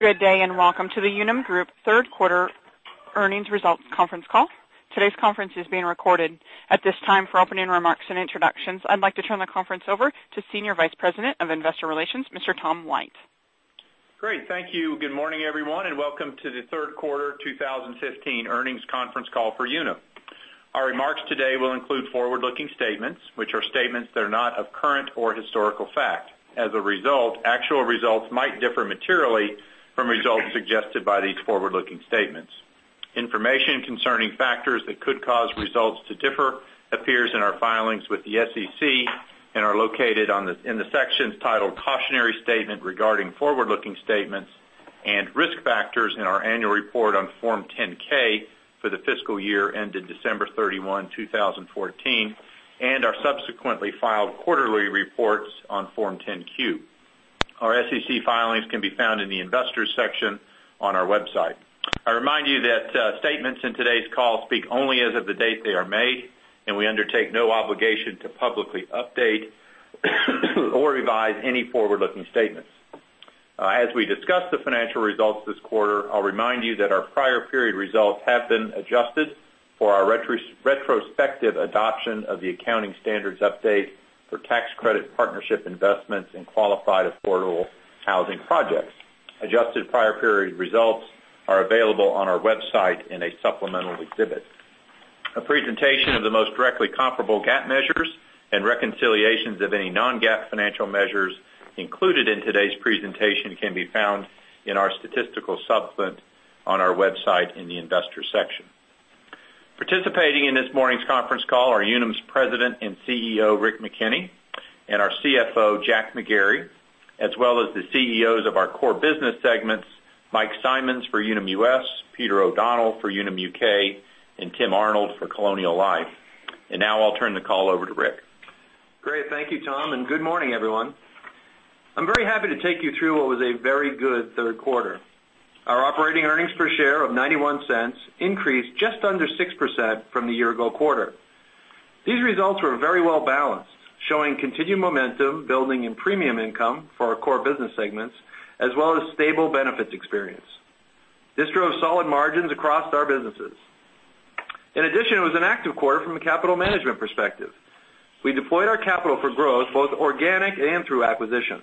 Good day. Welcome to the Unum Group third quarter earnings results conference call. Today's conference is being recorded. At this time, for opening remarks and introductions, I'd like to turn the conference over to Senior Vice President of Investor Relations, Mr. Tom White. Great. Thank you. Good morning, everyone. Welcome to the third quarter 2015 earnings conference call for Unum. Our remarks today will include forward-looking statements, which are statements that are not of current or historical fact. As a result, actual results might differ materially from results suggested by these forward-looking statements. Information concerning factors that could cause results to differ appears in our filings with the SEC and are located in the sections titled Cautionary Statement Regarding Forward-Looking Statements and Risk Factors in our annual report on Form 10-K for the fiscal year ended December 31, 2014, and our subsequently filed quarterly reports on Form 10-Q. Our SEC filings can be found in the Investors section on our website. I remind you that statements in today's call speak only as of the date they are made. We undertake no obligation to publicly update or revise any forward-looking statements. As we discuss the financial results this quarter, I'll remind you that our prior period results have been adjusted for our retrospective adoption of the accounting standards update for tax credit partnership investments in qualified affordable housing projects. Adjusted prior period results are available on our website in a supplemental exhibit. A presentation of the most directly comparable GAAP measures and reconciliations of any non-GAAP financial measures included in today's presentation can be found in our statistical supplement on our website in the Investors section. Participating in this morning's conference call are Unum's President and CEO, Rick McKinney, and our CFO, Jack McGarry, as well as the CEOs of our core business segments, Mike Simonds for Unum US, Peter O'Donnell for Unum UK, and Tim Arnold for Colonial Life. Now I'll turn the call over to Rick. Great. Thank you, Tom. Good morning, everyone. I'm very happy to take you through what was a very good third quarter. Our operating earnings per share of $0.91 increased just under 6% from the year ago quarter. These results were very well-balanced, showing continued momentum building in premium income for our core business segments, as well as stable benefits experience. This drove solid margins across our businesses. In addition, it was an active quarter from a capital management perspective. We deployed our capital for growth, both organic and through acquisition.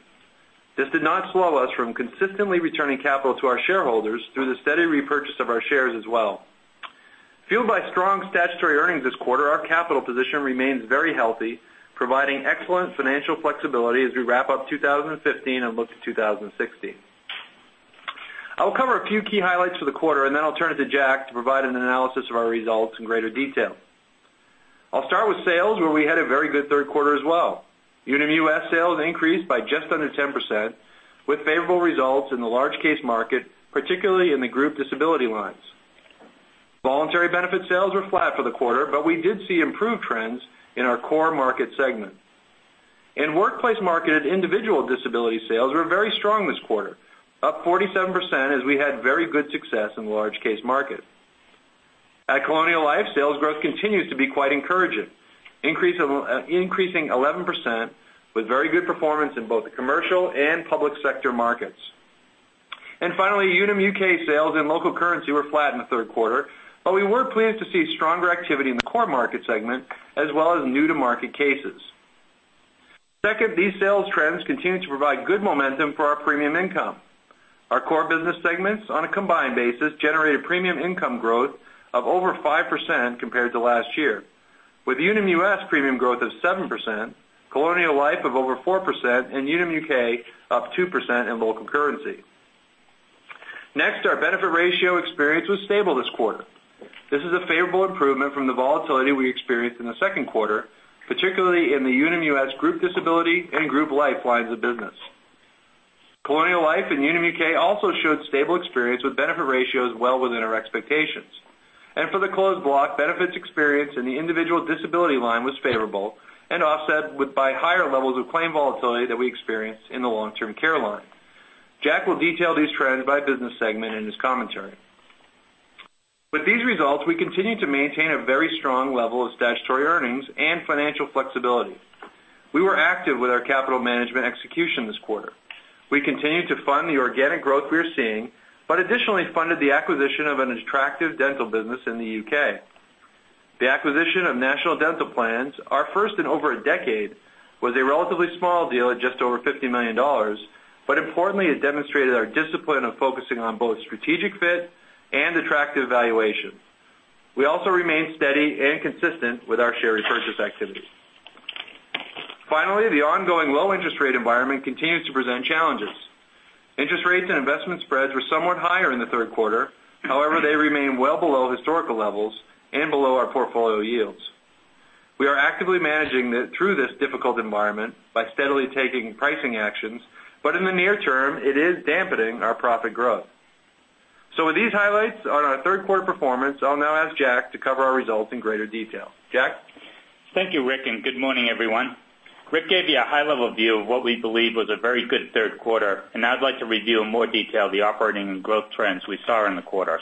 This did not slow us from consistently returning capital to our shareholders through the steady repurchase of our shares as well. Fueled by strong statutory earnings this quarter, our capital position remains very healthy, providing excellent financial flexibility as we wrap up 2015 and look to 2016. I will cover a few key highlights for the quarter. Then I'll turn it to Jack to provide an analysis of our results in greater detail. I'll start with sales, where we had a very good third quarter as well. Unum US sales increased by just under 10%, with favorable results in the large case market, particularly in the group disability lines. Voluntary benefit sales were flat for the quarter, but we did see improved trends in our core market segment. In workplace market, individual disability sales were very strong this quarter, up 47% as we had very good success in the large case market. At Colonial Life, sales growth continues to be quite encouraging, increasing 11% with very good performance in both the commercial and public sector markets. Finally, Unum UK sales in local currency were flat in the third quarter, but we were pleased to see stronger activity in the core market segment as well as new-to-market cases. Second, these sales trends continue to provide good momentum for our premium income. Our core business segments, on a combined basis, generated premium income growth of over 5% compared to last year, with Unum US premium growth of 7%, Colonial Life of over 4%, and Unum UK up 2% in local currency. Our benefit ratio experience was stable this quarter. This is a favorable improvement from the volatility we experienced in the second quarter, particularly in the Unum US group disability and group life lines of business. Colonial Life and Unum UK also showed stable experience with benefit ratios well within our expectations. For the closed block, benefits experience in the individual disability line was favorable and offset by higher levels of claim volatility that we experienced in the long-term care line. Jack will detail these trends by business segment in his commentary. With these results, we continue to maintain a very strong level of statutory earnings and financial flexibility. We were active with our capital management execution this quarter. We continued to fund the organic growth we are seeing, but additionally funded the acquisition of an attractive dental business in the U.K. The acquisition of National Dental Plan, our first in over a decade, was a relatively small deal at just over $50 million, but importantly, it demonstrated our discipline of focusing on both strategic fit and attractive valuation. We also remain steady and consistent with our share repurchase activity. The ongoing low interest rate environment continues to present challenges. Interest rates and investment spreads were somewhat higher in the third quarter. However, they remain well below historical levels and below our portfolio yields. We are actively managing through this difficult environment by steadily taking pricing actions, but in the near term, it is dampening our profit growth. With these highlights on our third quarter performance, I'll now ask Jack to cover our results in greater detail. Jack? Thank you, Rick. Good morning, everyone. Rick gave you a high-level view of what we believe was a very good third quarter. I'd like to review in more detail the operating and growth trends we saw in the quarter.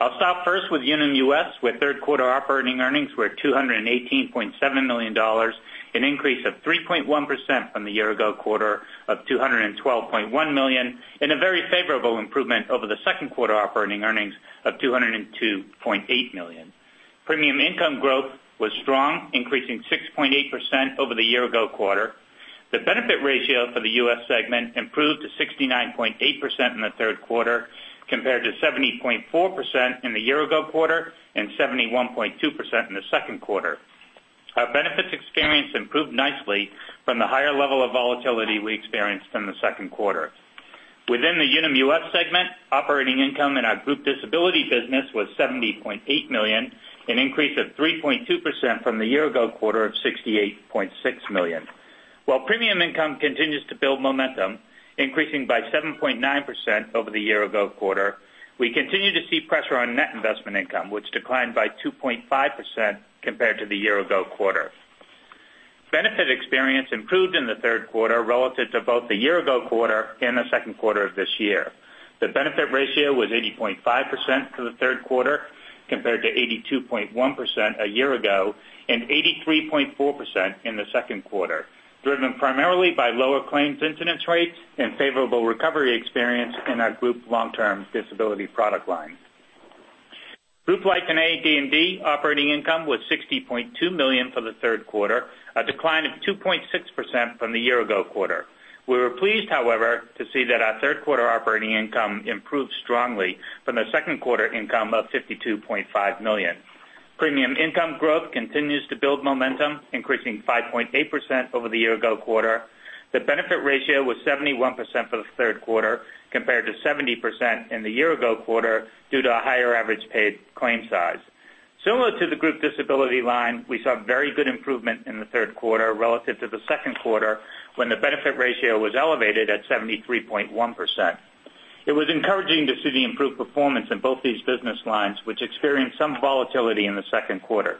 I'll start first with Unum US, where third quarter operating earnings were $218.7 million, an increase of 3.1% from the year ago quarter of $212.1 million. A very favorable improvement over the second quarter operating earnings of $202.8 million. Premium income growth was strong, increasing 6.8% over the year ago quarter. The benefit ratio for the U.S. segment improved to 69.8% in the third quarter, compared to 70.4% in the year ago quarter and 71.2% in the second quarter. Our benefits experience improved nicely from the higher level of volatility we experienced in the second quarter. Within the Unum US segment, operating income in our group disability business was $70.8 million, an increase of 3.2% from the year ago quarter of $68.6 million. While premium income continues to build momentum, increasing by 7.9% over the year ago quarter, we continue to see pressure on net investment income, which declined by 2.5% compared to the year ago quarter. Benefit experience improved in the third quarter relative to both the year ago quarter and the second quarter of this year. The benefit ratio was 80.5% for the third quarter compared to 82.1% a year ago, 83.4% in the second quarter, driven primarily by lower claims incidence rates and favorable recovery experience in our group long-term disability product line. Group life and AD&D operating income was $60.2 million for the third quarter, a decline of 2.6% from the year ago quarter. We were pleased, however, to see that our third quarter operating income improved strongly from the second quarter income of $52.5 million. Premium income growth continues to build momentum, increasing 5.8% over the year ago quarter. The benefit ratio was 71% for the third quarter, compared to 70% in the year ago quarter due to a higher average paid claim size. Similar to the group disability line, we saw very good improvement in the third quarter relative to the second quarter, when the benefit ratio was elevated at 73.1%. It was encouraging to see the improved performance in both these business lines, which experienced some volatility in the second quarter.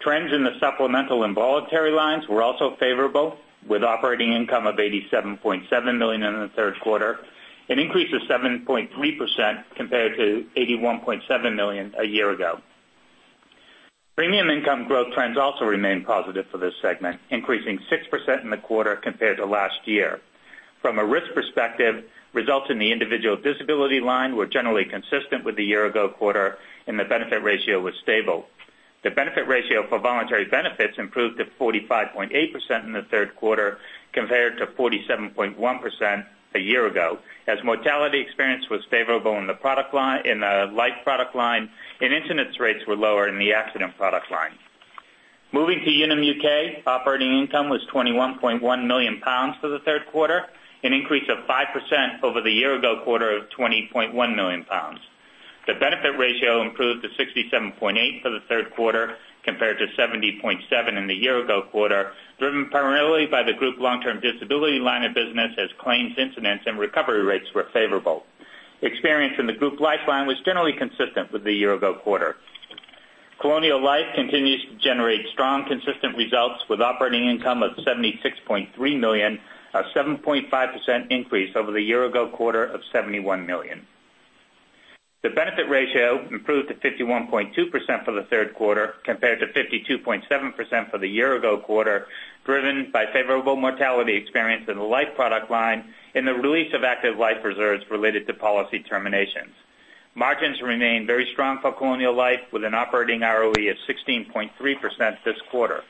Trends in the supplemental and voluntary lines were also favorable, with operating income of $87.7 million in the third quarter, an increase of 7.3% compared to $81.7 million a year ago. Premium income growth trends also remain positive for this segment, increasing 6% in the quarter compared to last year. From a risk perspective, results in the individual disability line were generally consistent with the year ago quarter, and the benefit ratio was stable. The benefit ratio for voluntary benefits improved to 45.8% in the third quarter compared to 47.1% a year ago, as mortality experience was favorable in the life product line and incidence rates were lower in the accident product line. Moving to Unum UK, operating income was £21.1 million for the third quarter, an increase of 5% over the year ago quarter of £20.1 million. The benefit ratio improved to 67.8% for the third quarter, compared to 70.7% in the year ago quarter, driven primarily by the group long-term disability line of business as claims incidents and recovery rates were favorable. Experience in the group life line was generally consistent with the year ago quarter. Colonial Life continues to generate strong, consistent results with operating income of $76.3 million, a 7.5% increase over the year ago quarter of $71 million. The benefit ratio improved to 51.2% for the third quarter compared to 52.7% for the year ago quarter, driven by favorable mortality experience in the life product line and the release of active life reserves related to policy terminations. Margins remain very strong for Colonial Life, with an operating ROE of 16.3% this quarter.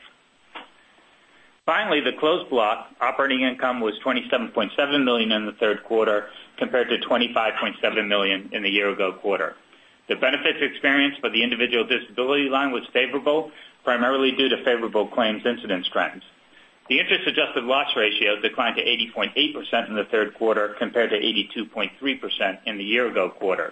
Finally, the closed block operating income was $27.7 million in the third quarter compared to $25.7 million in the year ago quarter. The benefits experienced for the individual disability line was favorable, primarily due to favorable claims incidence trends. The interest-adjusted loss ratio declined to 80.8% in the third quarter compared to 82.3% in the year ago quarter.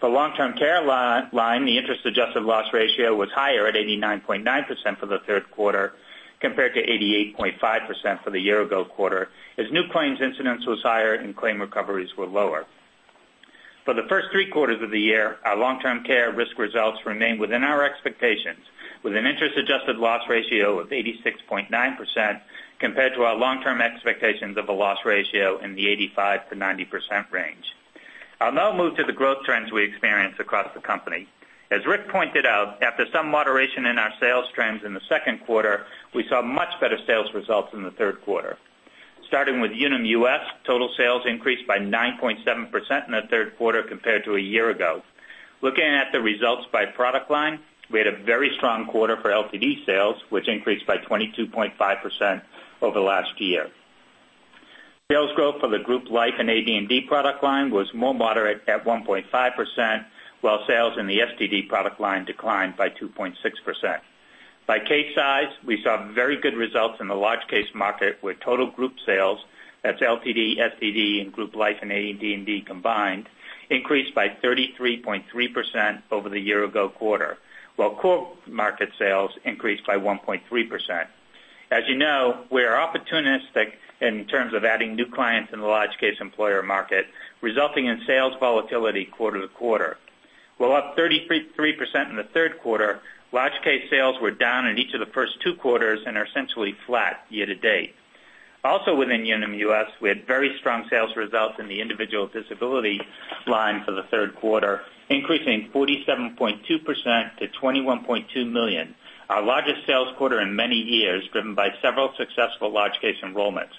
For long-term care line, the interest-adjusted loss ratio was higher at 89.9% for the third quarter compared to 88.5% for the year ago quarter, as new claims incidence was higher and claim recoveries were lower. For the first three quarters of the year, our long-term care risk results remained within our expectations, with an interest-adjusted loss ratio of 86.9% compared to our long-term expectations of a loss ratio in the 85%-90% range. I'll now move to the growth trends we experienced across the company. As Rick pointed out, after some moderation in our sales trends in the second quarter, we saw much better sales results in the third quarter. Starting with Unum US, total sales increased by 9.7% in the third quarter compared to a year ago. Looking at the results by product line, we had a very strong quarter for LTD sales, which increased by 22.5% over last year. Sales growth for the group life and AD&D product line was more moderate at 1.5%, while sales in the STD product line declined by 2.6%. By case size, we saw very good results in the large case market where total group sales, that's LTD, STD, and group life and AD&D combined, increased by 33.3% over the year ago quarter, while core market sales increased by 1.3%. As you know, we are opportunistic in terms of adding new clients in the large case employer market, resulting in sales volatility quarter-to-quarter. We're up 33% in the third quarter. Large case sales were down in each of the first two quarters and are essentially flat year-to-date. Also within Unum US, we had very strong sales results in the individual disability line for the third quarter, increasing 47.2% to $21.2 million. Our largest sales quarter in many years, driven by several successful large case enrollments.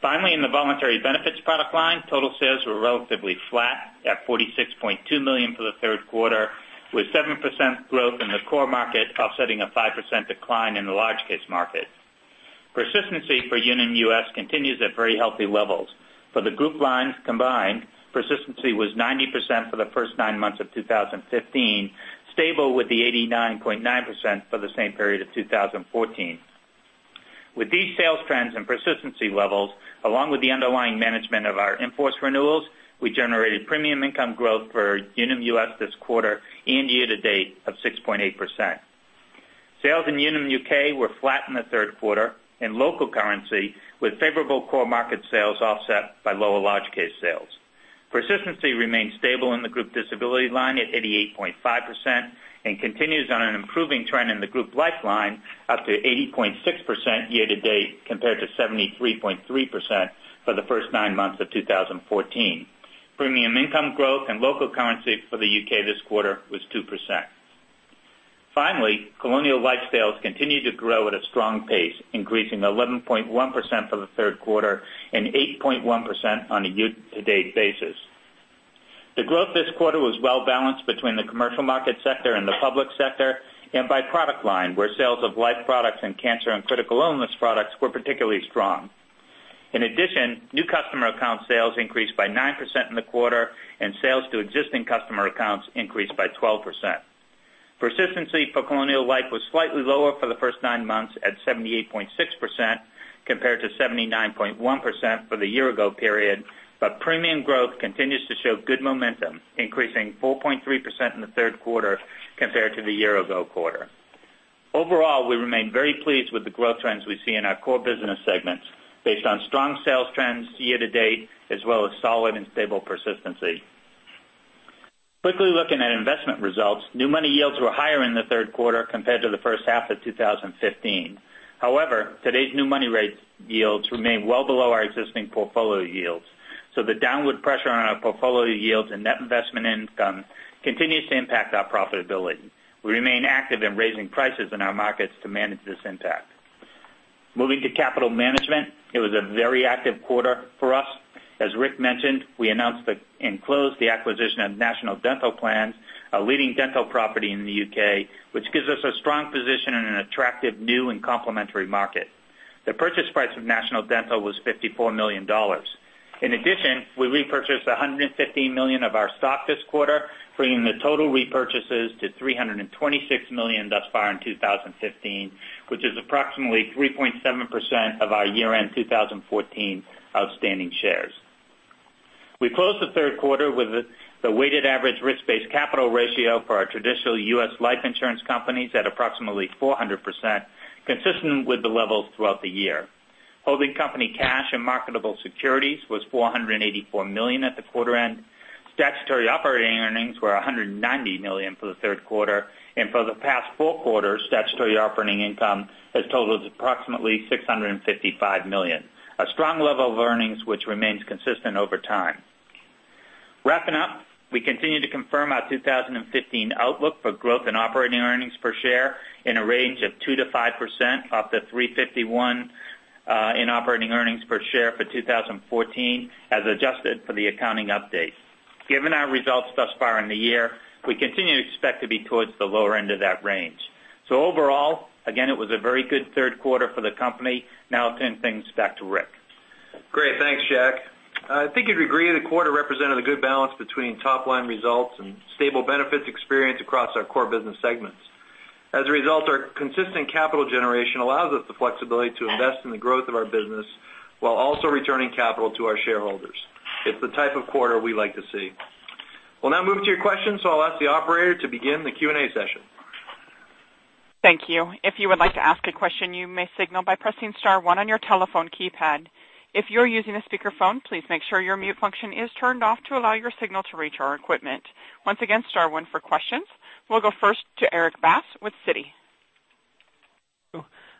Finally, in the voluntary benefits product line, total sales were relatively flat at $46.2 million for the third quarter, with 7% growth in the core market offsetting a 5% decline in the large case market. Persistency for Unum US continues at very healthy levels. For the group lines combined, persistency was 90% for the first nine months of 2015, stable with the 89.9% for the same period of 2014. With these sales trends and persistency levels, along with the underlying management of our in-force renewals, we generated premium income growth for Unum US this quarter and year to date of 6.8%. Sales in Unum U.K. were flat in the third quarter in local currency with favorable core market sales offset by lower large case sales. Persistency remains stable in the group disability line at 88.5% and continues on an improving trend in the group life line, up to 80.6% year to date compared to 73.3% for the first nine months of 2014. Premium income growth and local currency for the U.K. this quarter was 2%. Colonial Life sales continued to grow at a strong pace, increasing 11.1% for the third quarter and 8.1% on a year to date basis. The growth this quarter was well-balanced between the commercial market sector and the public sector, and by product line, where sales of life products and cancer and critical illness products were particularly strong. New customer account sales increased by 9% in the quarter, and sales to existing customer accounts increased by 12%. Persistency for Colonial Life was slightly lower for the first nine months at 78.6% compared to 79.1% for the year ago period. Premium growth continues to show good momentum, increasing 4.3% in the third quarter compared to the year ago quarter. Overall, we remain very pleased with the growth trends we see in our core business segments based on strong sales trends year to date, as well as solid and stable persistency. Quickly looking at investment results, new money yields were higher in the third quarter compared to the first half of 2015. However, today's new money rate yields remain well below our existing portfolio yields, so the downward pressure on our portfolio yields and net investment income continues to impact our profitability. We remain active in raising prices in our markets to manage this impact. Moving to capital management, it was a very active quarter for us. As Rick mentioned, we announced and closed the acquisition of National Dental Plan, a leading dental property in the U.K., which gives us a strong position in an attractive new and complementary market. The purchase price of National Dental was $54 million. We repurchased $150 million of our stock this quarter, bringing the total repurchases to $326 million thus far in 2015, which is approximately 3.7% of our year-end 2014 outstanding shares. We closed the third quarter with the weighted average risk-based capital ratio for our traditional U.S. life insurance companies at approximately 400%, consistent with the levels throughout the year. Holding company cash and marketable securities was $484 million at the quarter end. Statutory operating earnings were $190 million for the third quarter, and for the past four quarters, statutory operating income has totaled approximately $655 million. A strong level of earnings, which remains consistent over time. Wrapping up, we continue to confirm our 2015 outlook for growth in operating earnings per share in a range of 2%-5% off the $3.51 in operating earnings per share for 2014 as adjusted for the accounting update. Given our results thus far in the year, we continue to expect to be towards the lower end of that range. Overall, again, it was a very good third quarter for the company. Now I'll turn things back to Rick. Great. Thanks, Jack. I think you'd agree the quarter represented a good balance between top-line results and stable benefits experienced across our core business segments. As a result, our consistent capital generation allows us the flexibility to invest in the growth of our business while also returning capital to our shareholders. It's the type of quarter we like to see. We'll now move to your questions, I'll ask the operator to begin the Q&A session. Thank you. If you would like to ask a question, you may signal by pressing star one on your telephone keypad. If you're using a speakerphone, please make sure your mute function is turned off to allow your signal to reach our equipment. Once again, star one for questions. We'll go first to Erik Bass with Citi.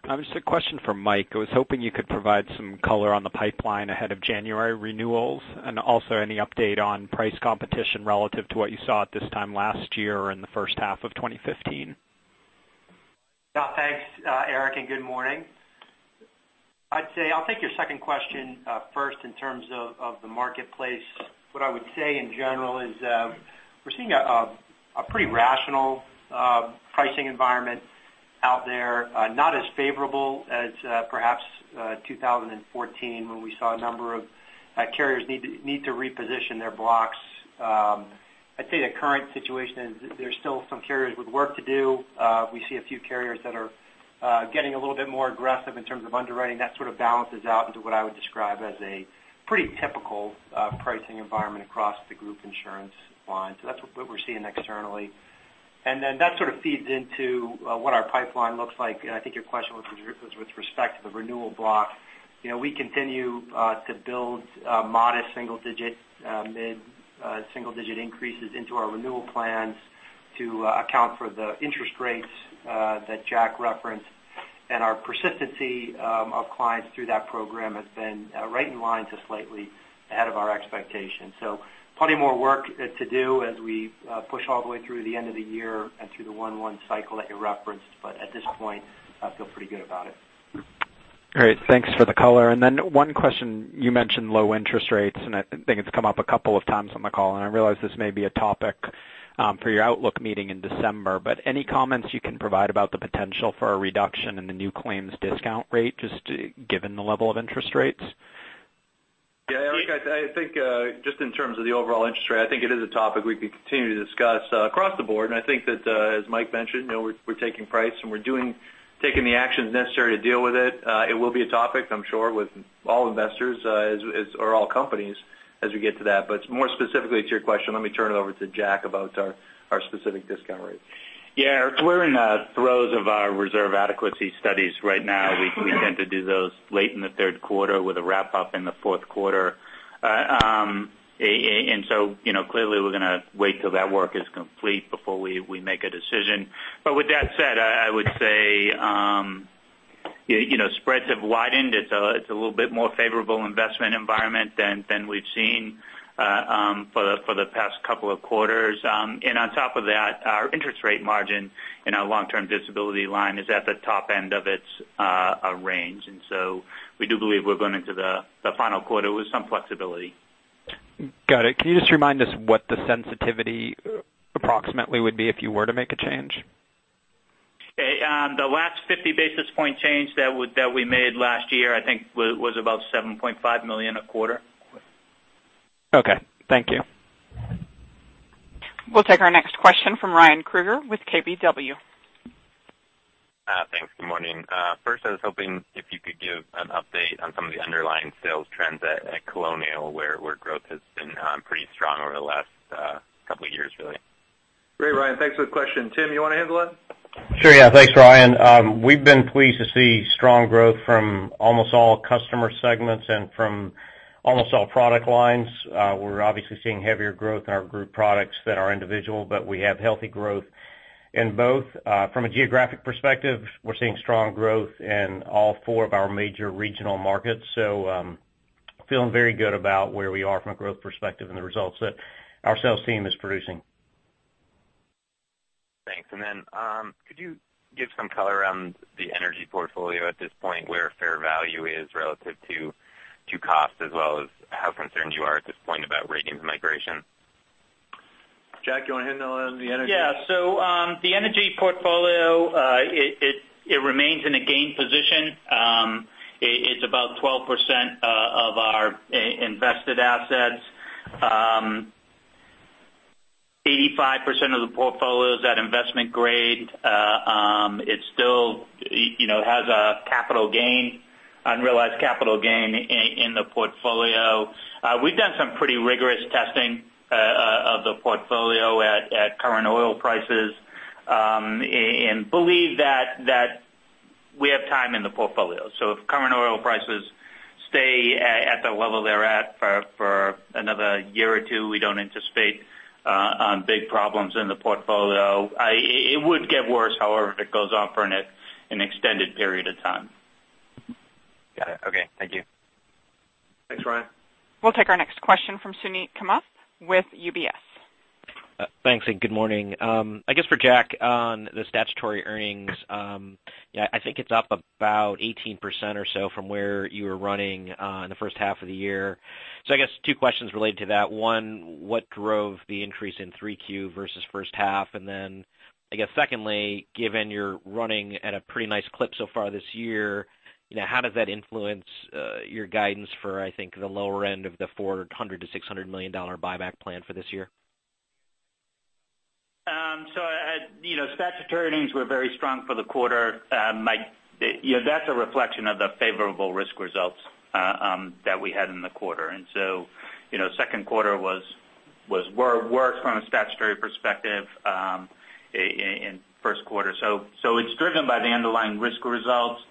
Just a question for Mike. I was hoping you could provide some color on the pipeline ahead of January renewals, and also any update on price competition relative to what you saw at this time last year or in the first half of 2015. Thanks, Erik, and good morning. I'll take your second question first in terms of the marketplace. What I would say in general is we're seeing a pretty rational pricing environment out there. Not as favorable as perhaps 2014, when we saw a number of carriers need to reposition their blocks. I'd say the current situation is there's still some carriers with work to do. We see a few carriers that are getting a little bit more aggressive in terms of underwriting. That sort of balances out into what I would describe as a pretty typical pricing environment across the group insurance line. That's what we're seeing externally. That sort of feeds into what our pipeline looks like. I think your question was with respect to the renewal block. We continue to build modest mid-single digit increases into our renewal plans. To account for the interest rates that Jack referenced, and our persistency of clients through that program has been right in line to slightly ahead of our expectations. Plenty more work to do as we push all the way through the end of the year and through the 1-1 cycle that you referenced. At this point, I feel pretty good about it. Great. Thanks for the color. One question, you mentioned low interest rates, and I think it's come up a couple of times on the call, and I realize this may be a topic for your outlook meeting in December, but any comments you can provide about the potential for a reduction in the new claims discount rate, just given the level of interest rates? Yeah, Eric, I think just in terms of the overall interest rate, I think it is a topic we can continue to discuss across the board. I think that, as Mike mentioned, we're taking price and we're taking the actions necessary to deal with it. It will be a topic, I'm sure, with all investors or all companies as we get to that. More specifically to your question, let me turn it over to Jack about our specific discount rate. Yeah, Eric, we're in the throes of our reserve adequacy studies right now. We intend to do those late in the third quarter with a wrap-up in the fourth quarter. Clearly we're going to wait till that work is complete before we make a decision. With that said, I would say spreads have widened. It's a little bit more favorable investment environment than we've seen for the past couple of quarters. On top of that, our interest rate margin in our long-term disability line is at the top end of its range. We do believe we're going into the final quarter with some flexibility. Got it. Can you just remind us what the sensitivity approximately would be if you were to make a change? The last 50 basis points change that we made last year, I think, was about $7.5 million a quarter. Okay. Thank you. We'll take our next question from Ryan Krueger with KBW. Thanks. Good morning. First I was hoping if you could give an update on some of the underlying sales trends at Colonial, where growth has been pretty strong over the last couple of years, really. Great, Ryan. Thanks for the question. Tim, you want to handle that? Sure. Yeah. Thanks, Ryan. We've been pleased to see strong growth from almost all customer segments and from almost all product lines. We're obviously seeing heavier growth in our group products than our individual, but we have healthy growth in both. From a geographic perspective, we're seeing strong growth in all four of our major regional markets. Feeling very good about where we are from a growth perspective and the results that our sales team is producing. Thanks. Then, could you give some color around the energy portfolio at this point, where fair value is relative to cost as well as how concerned you are at this point about ratings migration? Jack, you want to handle the energy? Yeah. The energy portfolio, it remains in a gain position. It's about 12% of our invested assets. 85% of the portfolio is at investment grade. It still has an unrealized capital gain in the portfolio. We've done some pretty rigorous testing of the portfolio at current oil prices, and believe that we have time in the portfolio. If current oil prices stay at the level they're at for another year or two, we don't anticipate big problems in the portfolio. It would get worse, however, if it goes on for an extended period of time. Got it. Okay. Thank you. Thanks, Ryan. We'll take our next question from Suneet Kamath with UBS. Thanks. Good morning. I guess for Jack, on the statutory earnings, I think it's up about 18% or so from where you were running in the first half of the year. I guess two questions related to that. One, what drove the increase in Q3 versus first half? I guess secondly, given you're running at a pretty nice clip so far this year, how does that influence your guidance for, I think, the lower end of the $400-$600 million buyback plan for this year? Statutory earnings were very strong for the quarter. That's a reflection of the favorable risk results that we had in the quarter. Second quarter was worse from a statutory perspective in first quarter. It's driven by the underlying risk results.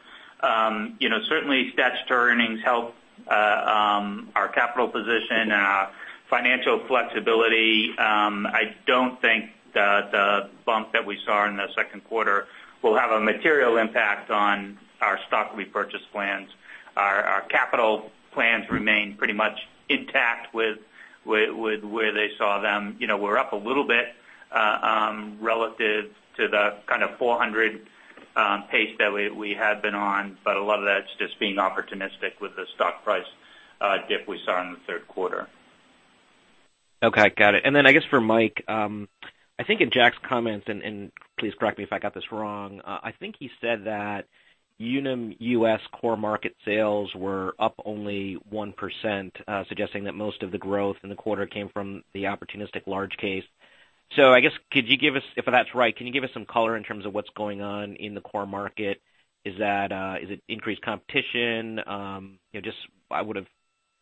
Certainly statutory earnings help our capital position and our financial flexibility. I don't think the bump that we saw in the second quarter will have a material impact on our stock repurchase plans. Our capital plans remain pretty much intact with where they saw them. We're up a little bit, relative to the kind of 400 pace that we had been on, but a lot of that's just being opportunistic with the stock price dip we saw in the third quarter. Okay. Got it. I guess for Mike, I think in Jack's comments, and please correct me if I got this wrong, I think he said that Unum US core market sales were up only 1%, suggesting that most of the growth in the quarter came from the opportunistic large case. I guess, if that's right, can you give us some color in terms of what's going on in the core market? Is it increased competition? I would've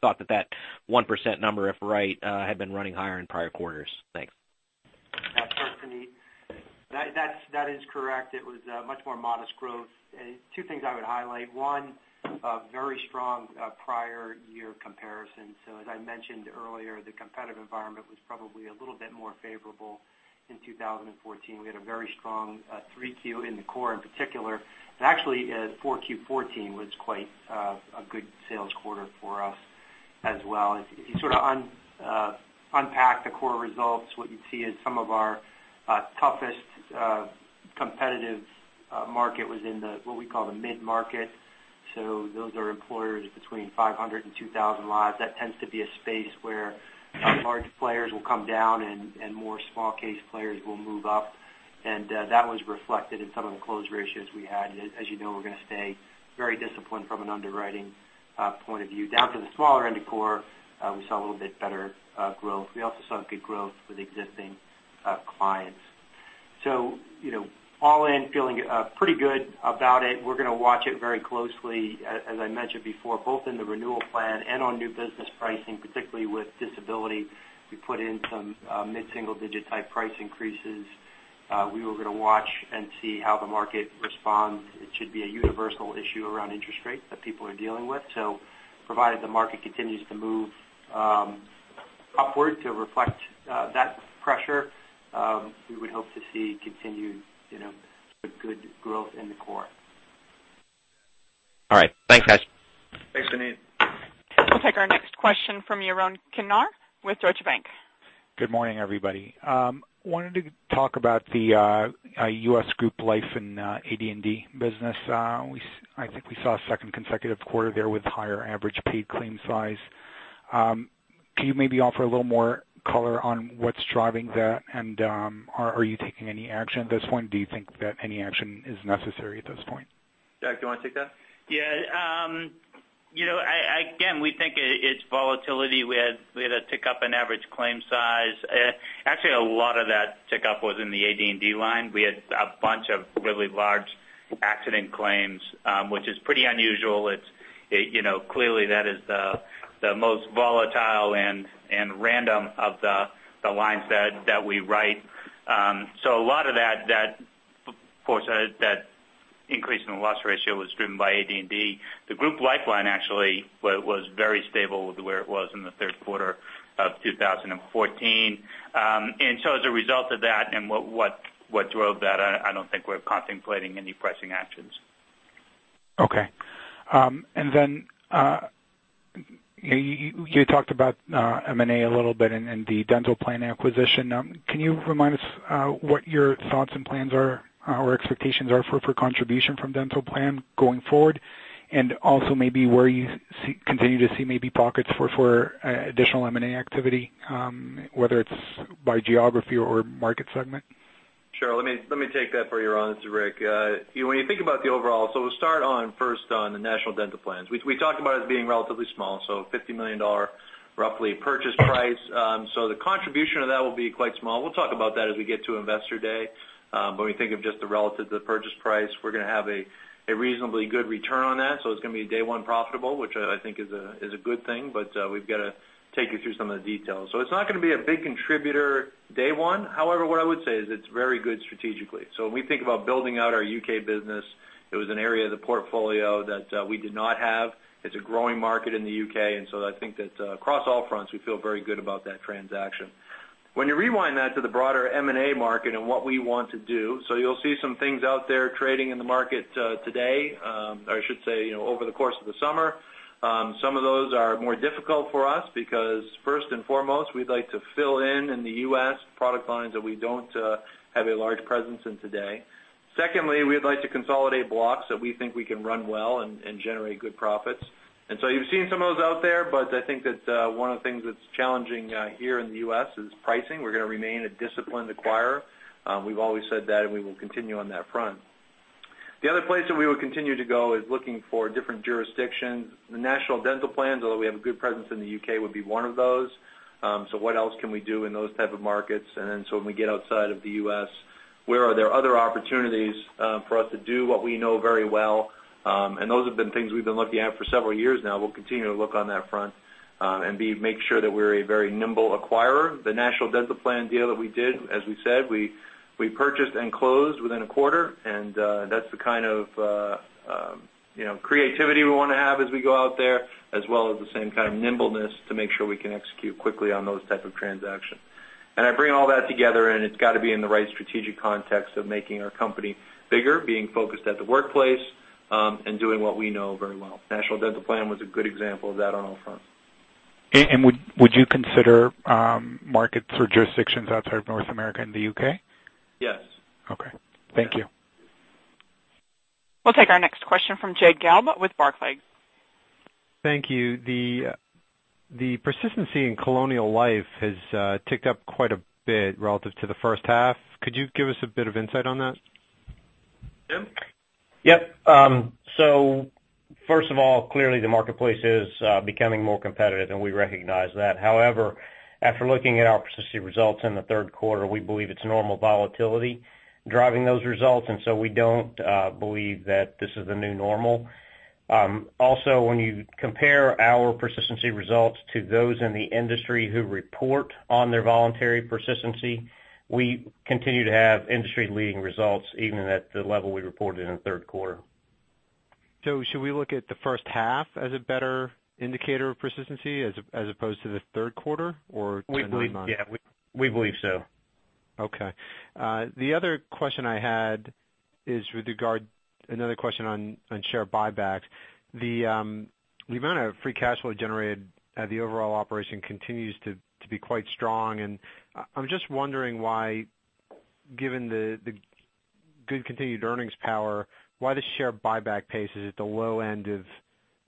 thought that that 1% number, if right, had been running higher in prior quarters. Thanks. That is correct. It was a much more modest growth. Two things I would highlight. One, very strong prior year comparison. As I mentioned earlier, the competitive environment was probably a little bit more favorable in 2014. We had a very strong Q3 in the core in particular. Actually, Q4 2014 was quite a good sales quarter for us as well. If you sort of unpack the core results, what you'd see is some of our toughest competitive market was in the, what we call the mid-market. Those are employers between 500 and 2,000 lives. That tends to be a space where large players will come down and more small case players will move up. That was reflected in some of the close ratios we had. As you know, we're going to stay very disciplined from an underwriting point of view. Down to the smaller end of core, we saw a little bit better growth. We also saw good growth with existing clients. All in, feeling pretty good about it. We're going to watch it very closely, as I mentioned before, both in the renewal plan and on new business pricing, particularly with disability. We put in some mid-single digit type price increases. We were going to watch and see how the market responds. It should be a universal issue around interest rates that people are dealing with. Provided the market continues to move upward to reflect that pressure, we would hope to see continued good growth in the core. All right. Thanks, guys. Thanks, Suneet. We'll take our next question from Yaron Kinar with Deutsche Bank. Good morning, everybody. Wanted to talk about the U.S. Group Life and AD&D business. I think we saw a second consecutive quarter there with higher average paid claim size. Can you maybe offer a little more color on what's driving that? Are you taking any action at this point? Do you think that any action is necessary at this point? Doug, do you want to take that? Yeah. Again, we think it's volatility. We had a tick up in average claim size. Actually, a lot of that tick up was in the AD&D line. We had a bunch of really large accident claims, which is pretty unusual. Clearly, that is the most volatile and random of the lines that we write. A lot of that, of course, that increase in the loss ratio was driven by AD&D. The Group Life line actually was very stable with where it was in the third quarter of 2014. As a result of that and what drove that, I don't think we're contemplating any pricing actions. Okay. Then you talked about M&A a little bit and the Dental Plan acquisition. Can you remind us what your thoughts and plans are or expectations are for contribution from Dental Plan going forward? Also maybe where you continue to see maybe pockets for additional M&A activity, whether it's by geography or market segment? Sure. Let me take that for Yaron. It's Rick, when you think about the overall, we'll start on first on the National Dental Plan. We talked about it as being relatively small, $50 million roughly purchase price. The contribution of that will be quite small. We'll talk about that as we get to Investor Day. When you think of just the relative to the purchase price, we're going to have a reasonably good return on that. It's going to be day one profitable, which I think is a good thing. We've got to take you through some of the details. It's not going to be a big contributor day one. What I would say is it's very good strategically. When we think about building out our U.K. business, it was an area of the portfolio that we did not have. It's a growing market in the U.K., I think that across all fronts, we feel very good about that transaction. When you rewind that to the broader M&A market and what we want to do, you'll see some things out there trading in the market today, or I should say, over the course of the summer. Some of those are more difficult for us because first and foremost, we'd like to fill in in the U.S. product lines that we don't have a large presence in today. Secondly, we'd like to consolidate blocks that we think we can run well and generate good profits. You've seen some of those out there, but I think that one of the things that's challenging here in the U.S. is pricing. We're going to remain a disciplined acquirer. We've always said that, and we will continue on that front. The other place that we would continue to go is looking for different jurisdictions. The National Dental Plan, although we have a good presence in the U.K., would be one of those. What else can we do in those type of markets? When we get outside of the U.S., where are there other opportunities for us to do what we know very well? Those have been things we've been looking at for several years now. We'll continue to look on that front and make sure that we're a very nimble acquirer. The National Dental Plan deal that we did, as we said, we purchased and closed within a quarter, and that's the kind of creativity we want to have as we go out there, as well as the same kind of nimbleness to make sure we can execute quickly on those type of transactions. I bring all that together, and it's got to be in the right strategic context of making our company bigger, being focused at the workplace, and doing what we know very well. National Dental Plan was a good example of that on all fronts. Would you consider markets or jurisdictions outside of North America and the U.K.? Yes. Okay. Thank you. We'll take our next question from Jay Gelb with Barclays. Thank you. The persistency in Colonial Life has ticked up quite a bit relative to the first half. Could you give us a bit of insight on that? Tim? First of all, clearly the marketplace is becoming more competitive, and we recognize that. However, after looking at our persistency results in the third quarter, we believe it's normal volatility driving those results, and so we don't believe that this is the new normal. Also, when you compare our persistency results to those in the industry who report on their voluntary persistency, we continue to have industry-leading results, even at the level we reported in the third quarter. Should we look at the first half as a better indicator of persistency as opposed to the third quarter or 10-month? Yeah, we believe so. Okay. The other question I had is with regard, another question on share buybacks. The amount of free cash flow generated at the overall operation continues to be quite strong, I'm just wondering why, given the good continued earnings power, why the share buyback pace is at the low end of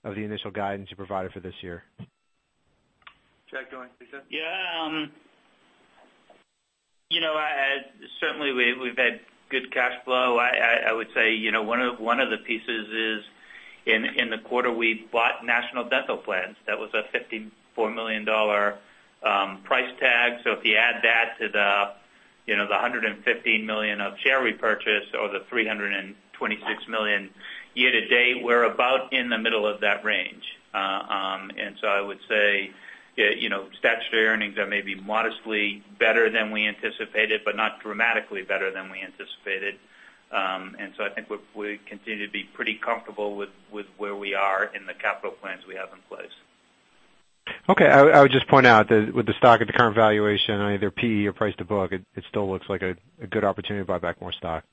the initial guidance you provided for this year. Jack, do you want to take that? Yeah. Certainly, we've had good cash flow. I would say, one of the pieces is in the quarter we bought National Dental Plan. That was a $54 million price tag. If you add that to the $150 million of share repurchase or the $326 million year to date, we're about in the middle of that range. I would say, statutory earnings are maybe modestly better than we anticipated, but not dramatically better than we anticipated. I think we continue to be pretty comfortable with where we are in the capital plans we have in place. Okay. I would just point out that with the stock at the current valuation, either P or price to book, it still looks like a good opportunity to buy back more stock.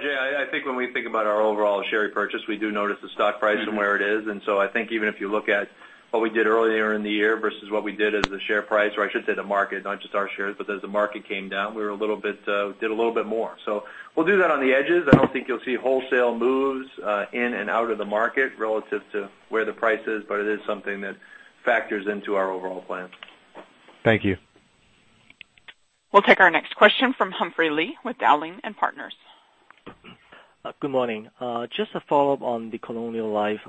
Jay, I think when we think about our overall share repurchase, we do notice the stock price and where it is. I think even if you look at what we did earlier in the year versus what we did as the share price, or I should say the market, not just our shares, but as the market came down, we did a little bit more. We'll do that on the edges. I don't think you'll see wholesale moves in and out of the market relative to where the price is, but it is something that factors into our overall plan. Thank you. We'll take our next question from Humphrey Lee with Dowling & Partners. Good morning. Just a follow-up on the Colonial Life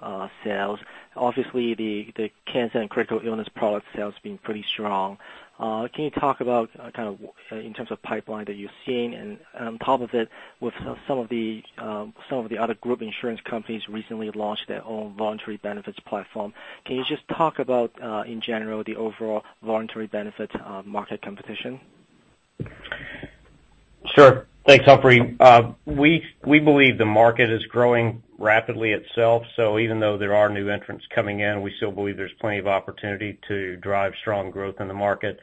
sales. Obviously, the cancer and critical illness product sales have been pretty strong. Can you talk about in terms of pipeline that you're seeing? On top of it, with some of the other group insurance companies recently launched their own voluntary benefits platform. Can you just talk about, in general, the overall voluntary benefits market competition? Sure. Thanks, Humphrey. We believe the market is growing rapidly itself. Even though there are new entrants coming in, we still believe there's plenty of opportunity to drive strong growth in the market.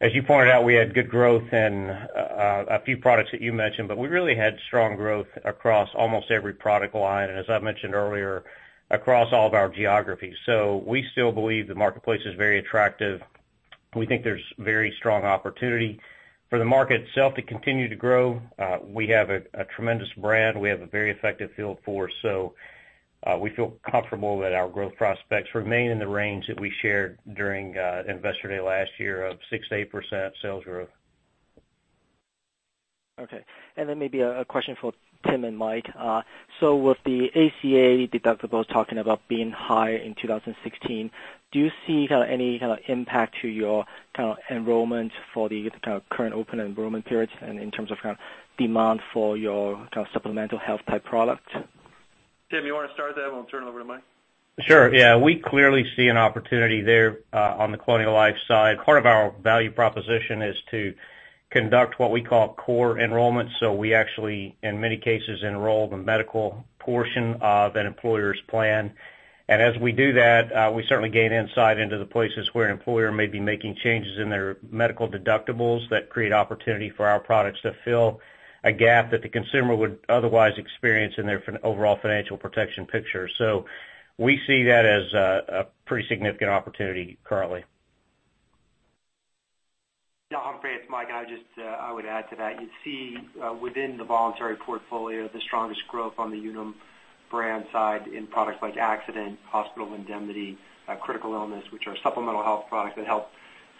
As you pointed out, we had good growth in a few products that you mentioned, but we really had strong growth across almost every product line, and as I mentioned earlier, across all of our geographies. We still believe the marketplace is very attractive. We think there's very strong opportunity for the market itself to continue to grow. We have a tremendous brand. We have a very effective field force. We feel comfortable that our growth prospects remain in the range that we shared during Investor Day last year of 6%-8% sales growth. Okay. Then maybe a question for Tim and Mike. With the ACA deductibles talking about being higher in 2016, do you see any kind of impact to your enrollment for the current open enrollment periods and in terms of demand for your kind of supplemental health type product? Tim, you want to start that, and we'll turn it over to Mike? Sure. Yeah. We clearly see an opportunity there on the Colonial Life side. Part of our value proposition is to conduct what we call core enrollment. We actually, in many cases, enroll the medical portion of an employer's plan. As we do that, we certainly gain insight into the places where an employer may be making changes in their medical deductibles that create opportunity for our products to fill a gap that the consumer would otherwise experience in their overall financial protection picture. We see that as a pretty significant opportunity currently. Yeah, Humphrey, it's Mike. I would add to that. You'd see within the voluntary portfolio, the strongest growth on the Unum brand side in products like accident, hospital indemnity, critical illness, which are supplemental health products that help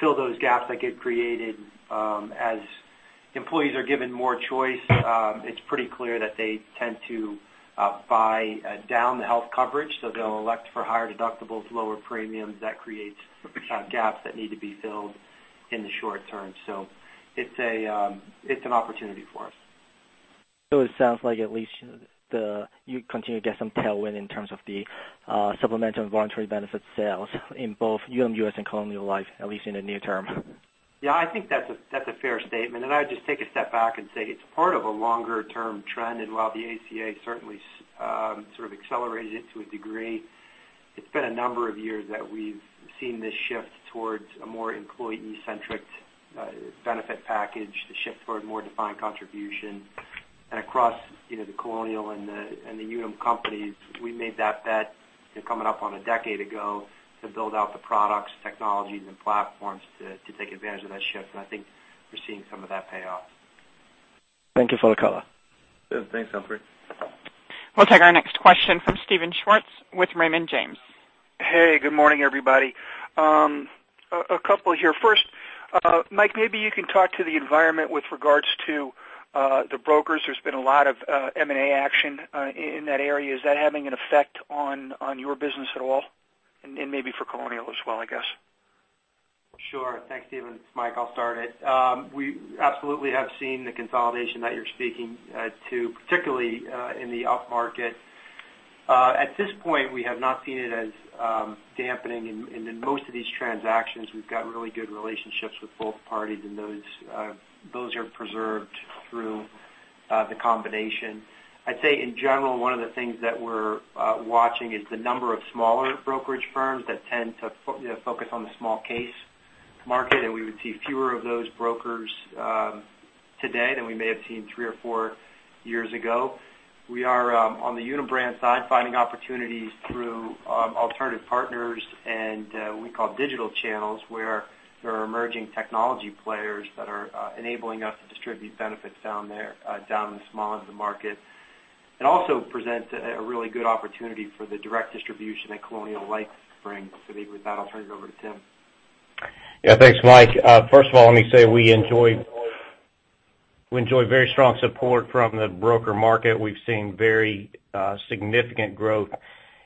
fill those gaps that get created. As employees are given more choice, it's pretty clear that they tend to buy down the health coverage, they'll elect for higher deductibles, lower premiums. That creates gaps that need to be filled in the short term. It's an opportunity for us. It sounds like at least you continue to get some tailwind in terms of the supplemental and voluntary benefit sales in both Unum US and Colonial Life, at least in the near term. Yeah, I think that's a fair statement. I would just take a step back and say it's part of a longer-term trend. While the ACA certainly sort of accelerated it to a degree, it's been a number of years that we've seen this shift towards a more employee-centric benefit package, the shift toward more defined contribution. Across the Colonial and the Unum companies, we made that bet coming up on a decade ago to build out the products, technologies, and platforms to take advantage of that shift, and I think we're seeing some of that pay off. Thank you for the color. Good. Thanks, Humphrey. We'll take our next question from Steven Schwartz with Raymond James. Hey, good morning, everybody. A couple here. First, Mike, maybe you can talk to the environment with regards to the brokers. There's been a lot of M&A action in that area. Is that having an effect on your business at all? Maybe for Colonial Life as well, I guess. Sure. Thanks, Steven. It's Mike, I'll start it. We absolutely have seen the consolidation that you're speaking to, particularly in the upmarket. At this point, we have not seen it as dampening, and in most of these transactions, we've got really good relationships with both parties, and those are preserved through The combination. I'd say in general, one of the things that we're watching is the number of smaller brokerage firms that tend to focus on the small case market, and we would see fewer of those brokers today than we may have seen three or four years ago. We are, on the Unum brand side, finding opportunities through alternative partners and what we call digital channels, where there are emerging technology players that are enabling us to distribute benefits down in the small end of the market, and also present a really good opportunity for the direct distribution at Colonial Life Springs. With that, I'll turn it over to Tim. Yeah. Thanks, Mike. First of all, let me say we enjoy very strong support from the broker market. We've seen very significant growth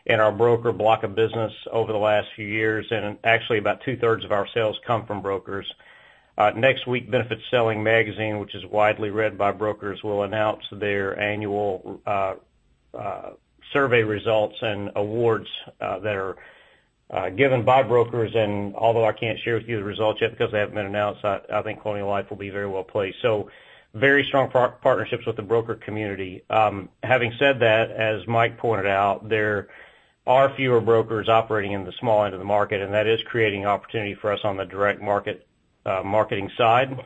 in our broker block of business over the last few years, and actually about two-thirds of our sales come from brokers. Next week, Benefits Selling magazine, which is widely read by brokers, will announce their annual survey results and awards that are given by brokers. Although I can't share with you the results yet because they haven't been announced, I think Colonial Life will be very well placed. Very strong partnerships with the broker community. Having said that, as Mike pointed out, there are fewer brokers operating in the small end of the market, and that is creating opportunity for us on the direct marketing side.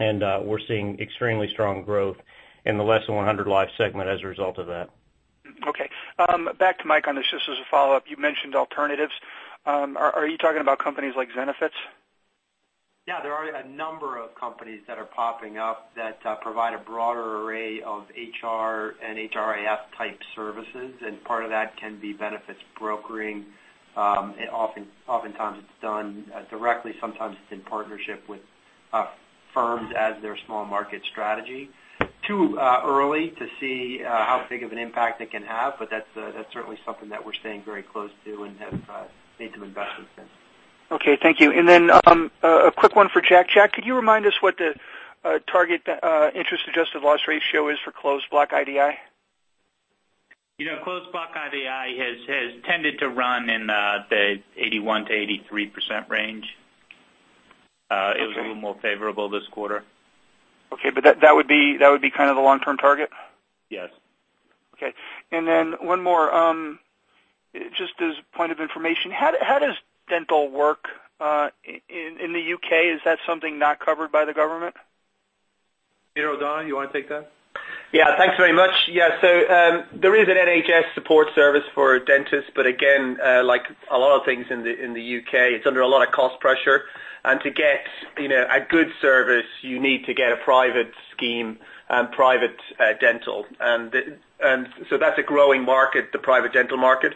We're seeing extremely strong growth in the less than 100 life segment as a result of that. Okay. Back to Mike on this, just as a follow-up. You mentioned alternatives. Are you talking about companies like Zenefits? Yeah, there are a number of companies that are popping up that provide a broader array of HR and HRA type services. Part of that can be benefits brokering. Oftentimes it's done directly, sometimes it's in partnership with firms as their small market strategy. Too early to see how big of an impact it can have, that's certainly something that we're staying very close to and have made some investments in. Okay, thank you. Then, a quick one for Jack. Jack, could you remind us what the target interest adjusted loss ratio is for closed block IDI? Closed block IDI has tended to run in the 81%-83% range. Okay. It was a little more favorable this quarter. Okay, that would be kind of the long-term target? Yes. Okay. Then one more. Just as a point of information, how does dental work in the U.K.? Is that something not covered by the government? Peter O'Donnell, you want to take that? Thanks very much. There is an NHS support service for dentists, but again, like a lot of things in the U.K., it's under a lot of cost pressure. To get a good service, you need to get a private scheme and private dental. That's a growing market, the private dental market.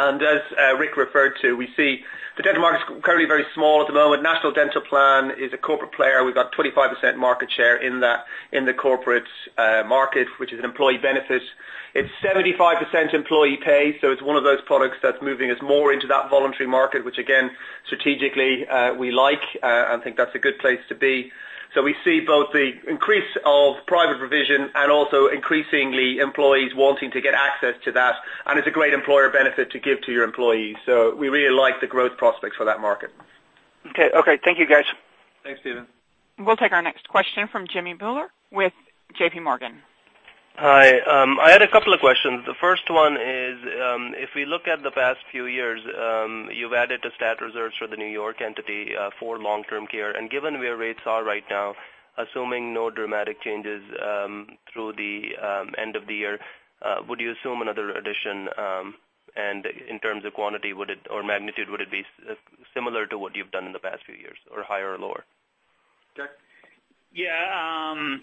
As Rick referred to, we see the dental market's currently very small at the moment. National Dental Plan is a corporate player. We've got 25% market share in the corporate market, which is an employee benefit. It's 75% employee pay, it's one of those products that's moving us more into that voluntary market, which again, strategically, we like, and think that's a good place to be. We see both the increase of private provision and also increasingly employees wanting to get access to that, and it's a great employer benefit to give to your employees. We really like the growth prospects for that market. Okay. Thank you, guys. Thanks, Steven. We'll take our next question from Jimmy Bhullar with J.P. Morgan. Hi. I had a couple of questions. The first one is, if we look at the past few years, you've added to stat reserves for the New York entity for long-term care. Given where rates are right now, assuming no dramatic changes through the end of the year, would you assume another addition? In terms of quantity or magnitude, would it be similar to what you've done in the past few years, or higher or lower? Jack? Yeah.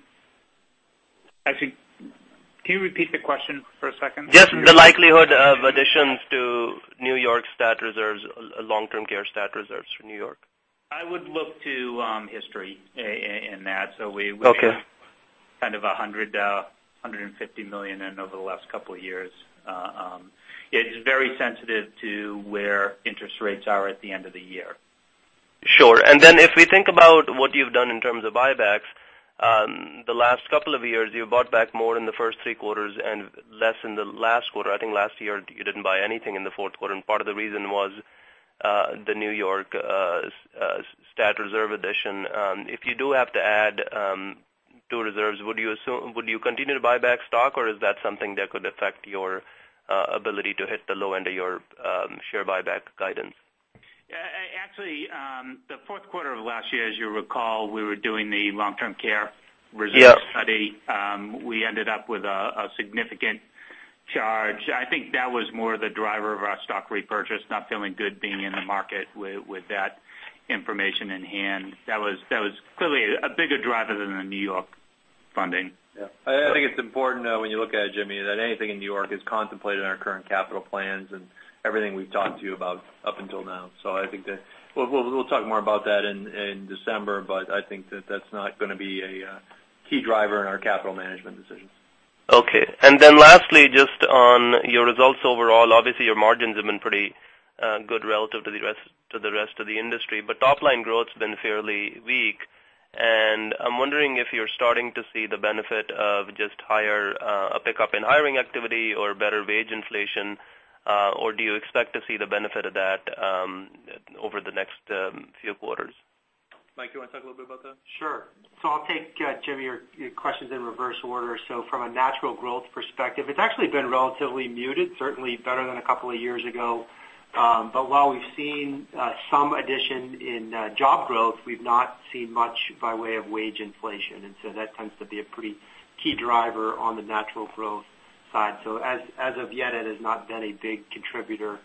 Can you repeat the question for a second? Just the likelihood of additions to New York stat reserves, long-term care stat reserves for New York. I would look to history in that. Okay. We put kind of $150 million in over the last couple of years. It's very sensitive to where interest rates are at the end of the year. Sure. If we think about what you've done in terms of buybacks, the last couple of years, you bought back more in the first three quarters and less in the last quarter. I think last year you didn't buy anything in the fourth quarter, and part of the reason was the N.Y. stat reserve addition. If you do have to add to reserves, would you continue to buy back stock, or is that something that could affect your ability to hit the low end of your share buyback guidance? Actually, the fourth quarter of last year, as you recall, we were doing the long-term care reserve study. Yeah. We ended up with a significant charge. I think that was more the driver of our stock repurchase, not feeling good being in the market with that information in hand. That was clearly a bigger driver than the N.Y. funding. Yeah. I think it's important, though, when you look at it, Jimmy, that anything in N.Y. is contemplated in our current capital plans and everything we've talked to you about up until now. I think that we'll talk more about that in December, but I think that that's not going to be a key driver in our capital management decisions. Okay. Lastly, just on your results overall, obviously your margins have been pretty good relative to the rest of the industry, but top-line growth's been fairly weak. I'm wondering if you're starting to see the benefit of just a pickup in hiring activity or better wage inflation. Do you expect to see the benefit of that over the next few quarters? Mike, you want to talk a little bit about that? Sure. I'll take, Jimmy, your questions in reverse order. From a natural growth perspective, it's actually been relatively muted, certainly better than a couple of years ago. While we've seen some addition in job growth, we've not seen much by way of wage inflation. That tends to be a pretty key driver on the natural growth side. As of yet, it has not been a big contributor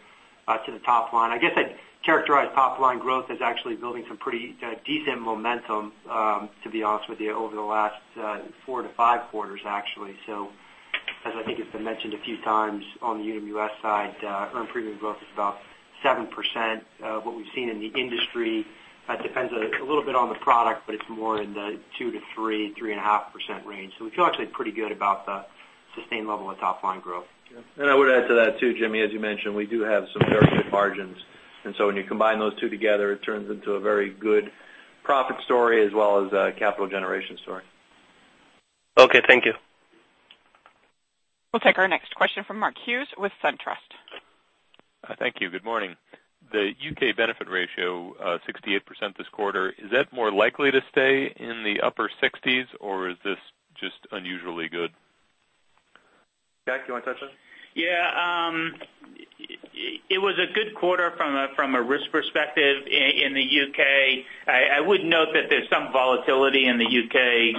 to the top line. I guess I'd characterize top-line growth as actually building some pretty decent momentum, to be honest with you, over the last four to five quarters, actually. As I think it's been mentioned a few times on the Unum US side, earned premium growth is about 7%. What we've seen in the industry, it depends a little bit on the product, but it's more in the 2% to 3%, 3.5% range. We feel actually pretty good about the sustained level of top-line growth. Yeah. I would add to that, too, Jimmy, as you mentioned, we do have some very good margins, and so when you combine those two together, it turns into a very good profit story as well as a capital generation story. Okay, thank you. We'll take our next question from Mark Hughes with SunTrust. Thank you. Good morning. The U.K. benefit ratio, 68% this quarter. Is that more likely to stay in the upper 60s, or is this just unusually good? Jack, do you want to touch on it? Yeah. It was a good quarter from a risk perspective in the U.K. I would note that there's some volatility in the U.K.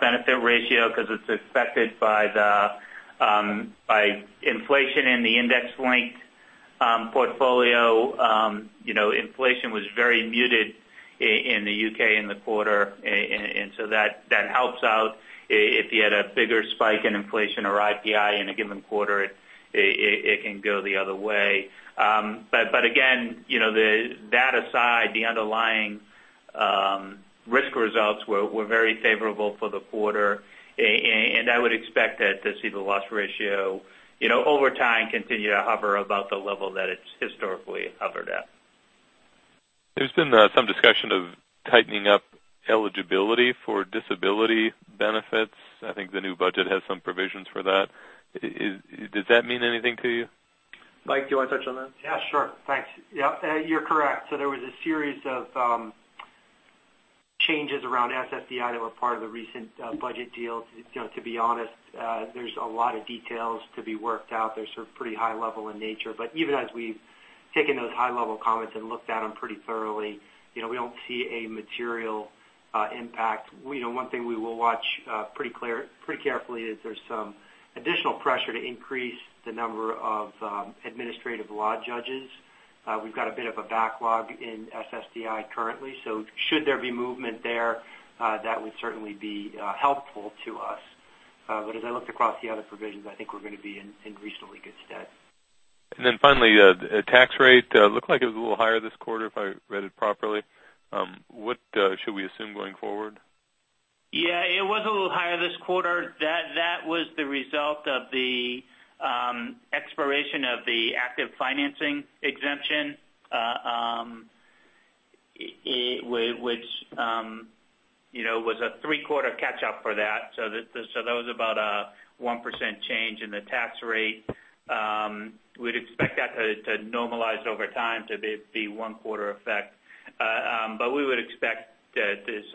benefit ratio because it's affected by inflation in the index-linked portfolio. Inflation was very muted in the U.K. in the quarter, so that helps out. If you had a bigger spike in inflation or RPI in a given quarter, it can go the other way. Again, that aside, the underlying risk results were very favorable for the quarter. I would expect to see the loss ratio over time continue to hover about the level that it's historically hovered at. There's been some discussion of tightening up eligibility for disability benefits. I think the new budget has some provisions for that. Does that mean anything to you? Mike, do you want to touch on that? Yeah, sure. Thanks. Yeah, you're correct. There was a series of changes around SSDI that were part of the recent budget deal. To be honest, there's a lot of details to be worked out. They're pretty high level in nature, but even as we've taken those high-level comments and looked at them pretty thoroughly, we don't see a material impact. One thing we will watch pretty carefully is there's some additional pressure to increase the number of administrative law judges. We've got a bit of a backlog in SSDI currently. Should there be movement there, that would certainly be helpful to us. As I looked across the other provisions, I think we're going to be in reasonably good stead. Finally, the tax rate looked like it was a little higher this quarter, if I read it properly. What should we assume going forward? Yeah, it was a little higher this quarter. That was the result of the expiration of the active financing exemption, which was a three-quarter catch-up for that. That was about a 1% change in the tax rate. We'd expect that to normalize over time to be one quarter effect.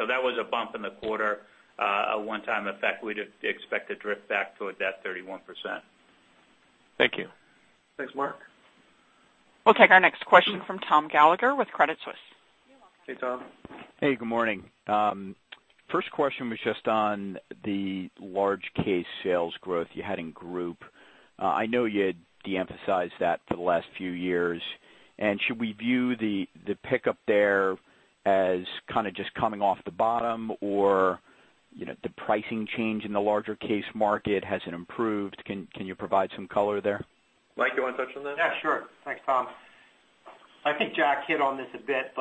That was a bump in the quarter, a one-time effect. We'd expect to drift back towards that 31%. Thank you. Thanks, Mark. We'll take our next question from Thomas Gallagher with Credit Suisse. Hey, Tom. Hey, good morning. First question was just on the large case sales growth you had in Group. I know you had de-emphasized that for the last few years. Should we view the pickup there as kind of just coming off the bottom? The pricing change in the larger case market, has it improved? Can you provide some color there? Mike, you want to touch on that? Yeah, sure. Thanks, Tom. I think Jack hit on this a bit,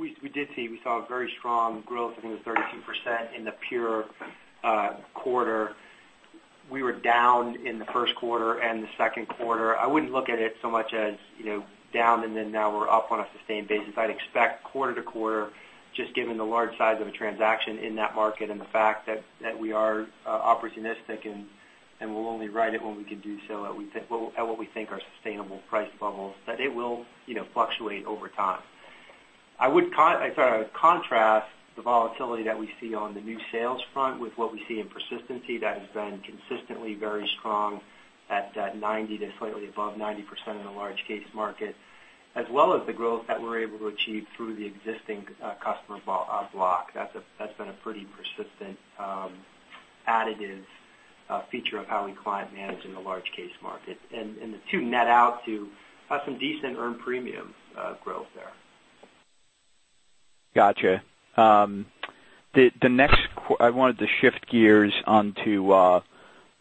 we saw very strong growth. I think it was 32% in the prior quarter. We were down in the first quarter and the second quarter. I wouldn't look at it so much as down, now we're up on a sustained basis. I'd expect quarter to quarter, just given the large size of a transaction in that market and the fact that we are opportunistic and will only write it when we can do so at what we think are sustainable price levels, that it will fluctuate over time. I would contrast the volatility that we see on the new sales front with what we see in persistency. That has been consistently very strong at 90% to slightly above 90% in the large case market, as well as the growth that we're able to achieve through the existing customer block. That's been a pretty persistent additive feature of how we client manage in the large case market. The two net out to some decent earned premium growth there. Gotcha. I wanted to shift gears onto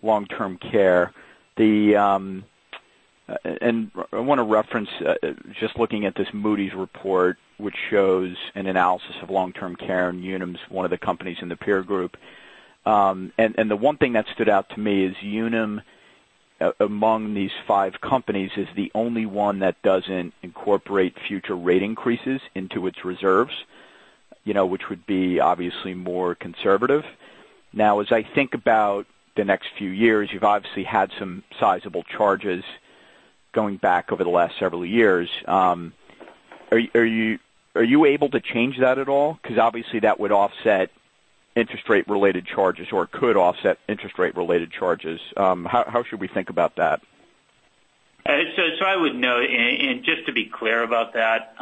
long-term care. I want to reference just looking at this Moody's report, which shows an analysis of long-term care, and Unum is one of the companies in the peer group. The one thing that stood out to me is Unum, among these five companies, is the only one that doesn't incorporate future rate increases into its reserves which would be obviously more conservative. Now, as I think about the next few years, you've obviously had some sizable charges Going back over the last several years, are you able to change that at all? Because obviously that would offset interest rate related charges, or it could offset interest rate related charges. How should we think about that? I would note, and just to be clear about that,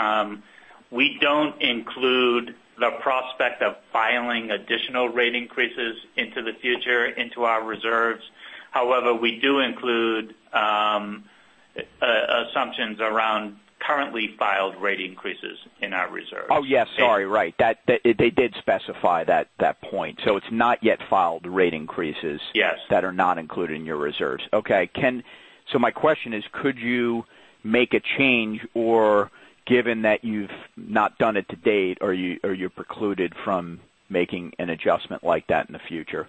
we don't include the prospect of filing additional rate increases into the future into our reserves. However, we do include assumptions around currently filed rate increases in our reserves. Oh, yes. Sorry. Right. They did specify that point. It's not yet filed rate increases. Yes that are not included in your reserves. Okay. My question is, could you make a change or, given that you've not done it to date, are you precluded from making an adjustment like that in the future?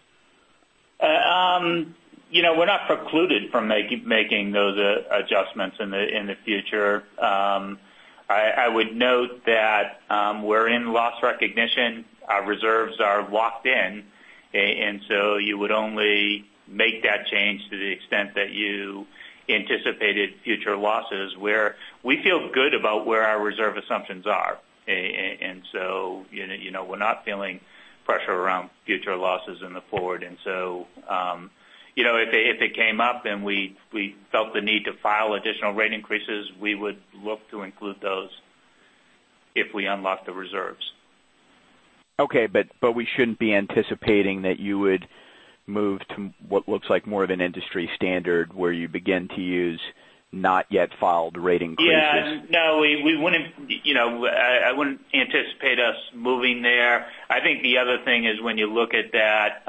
We're not precluded from making those adjustments in the future. I would note that we're in loss recognition. Our reserves are locked in, you would only make that change to the extent that you anticipated future losses, where we feel good about where our reserve assumptions are. We're not feeling pressure around future losses in the forward. If they came up and we felt the need to file additional rate increases, we would look to include those if we unlock the reserves. Okay. We shouldn't be anticipating that you would move to what looks like more of an industry standard, where you begin to use not yet filed rate increases. Yeah. No, I wouldn't anticipate us moving there. I think the other thing is when you look at that,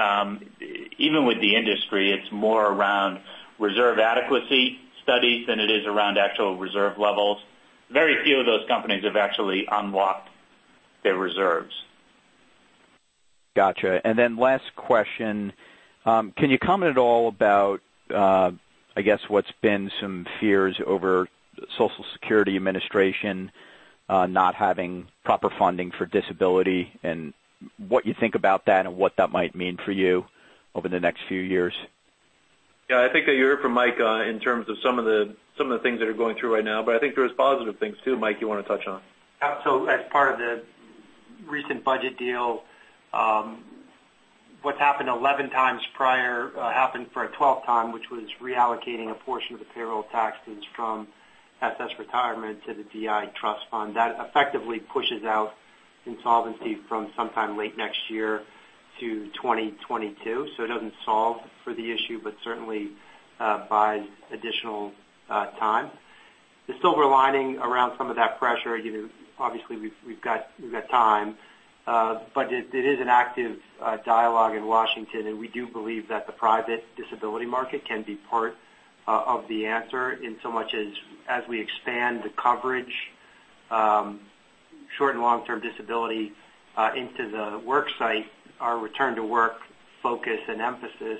even with the industry, it's more around reserve adequacy studies than it is around actual reserve levels. Very few of those companies have actually unlocked their reserves. Got you. Last question. Can you comment at all about, I guess, what's been some fears over Social Security Administration not having proper funding for disability, and what you think about that and what that might mean for you over the next few years? Yeah, I think that you heard from Mike in terms of some of the things that are going through right now, I think there is positive things, too, Mike, you want to touch on. As part of the recent budget deal, what's happened 11 times prior happened for a 12th time, which was reallocating a portion of the payroll taxes from SS retirement to the DI trust fund. That effectively pushes out insolvency from sometime late next year to 2022. It doesn't solve for the issue, but certainly buys additional time. The silver lining around some of that pressure, obviously we've got time, but it is an active dialogue in Washington, and we do believe that the private disability market can be part of the answer, in so much as we expand the coverage, short- and long-term disability into the work site, our return to work focus and emphasis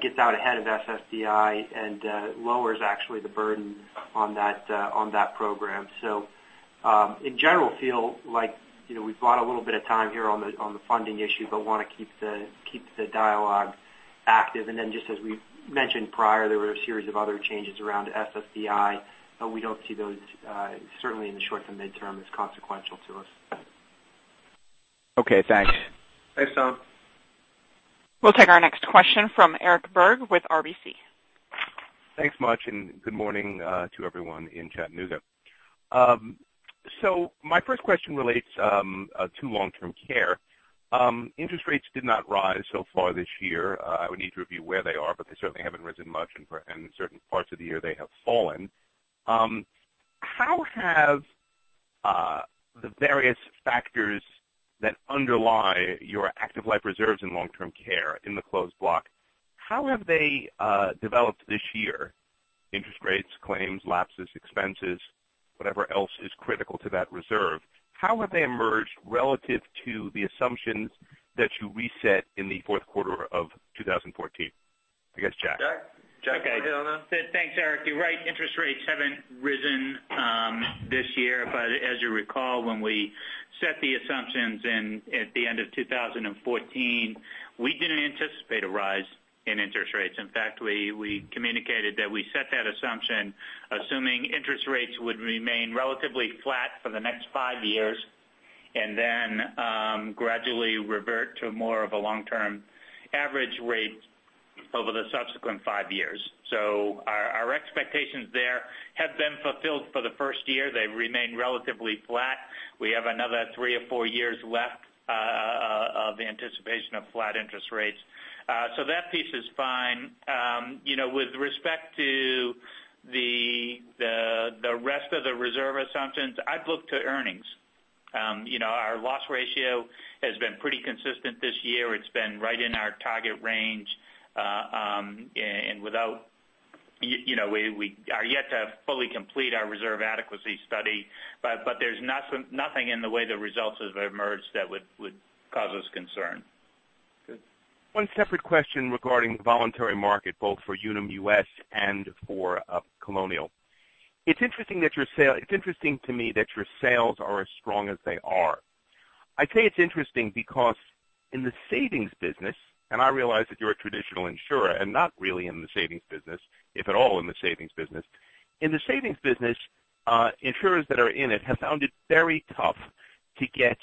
gets out ahead of SSDI and lowers actually the burden on that program. In general, feel like we've bought a little bit of time here on the funding issue, but want to keep the dialogue active. Just as we mentioned prior, there were a series of other changes around SSDI, we don't see those, certainly in the short to midterm, as consequential to us. Okay, thanks. Thanks, Tom. We'll take our next question from Eric Berg with RBC. Thanks much. Good morning to everyone in Chattanooga. My first question relates to long-term care. Interest rates did not rise so far this year. I would need to review where they are, but they certainly haven't risen much, and in certain parts of the year, they have fallen. How have the various factors that underlie your active life reserves in long-term care in the closed block, how have they developed this year? Interest rates, claims, lapses, expenses, whatever else is critical to that reserve. How have they emerged relative to the assumptions that you reset in the fourth quarter of 2014? I guess, Jack. Jack? Jack, do you want to hit on that? Thanks, Eric. You're right, interest rates haven't risen this year. As you recall, when we set the assumptions at the end of 2014, we didn't anticipate a rise in interest rates. In fact, we communicated that we set that assumption assuming interest rates would remain relatively flat for the next five years, and then gradually revert to more of a long-term average rate over the subsequent five years. Our expectations there have been fulfilled for the first year. They remain relatively flat. We have another three or four years left of anticipation of flat interest rates. That piece is fine. With respect to the rest of the reserve assumptions, I'd look to earnings. Our loss ratio has been pretty consistent this year. It's been right in our target range. We are yet to fully complete our reserve adequacy study. There's nothing in the way the results have emerged that would cause us concern. Good. One separate question regarding the voluntary market, both for Unum US and for Colonial. It's interesting to me that your sales are as strong as they are I say it's interesting because in the savings business, and I realize that you're a traditional insurer and not really in the savings business, if at all in the savings business. In the savings business, insurers that are in it have found it very tough to get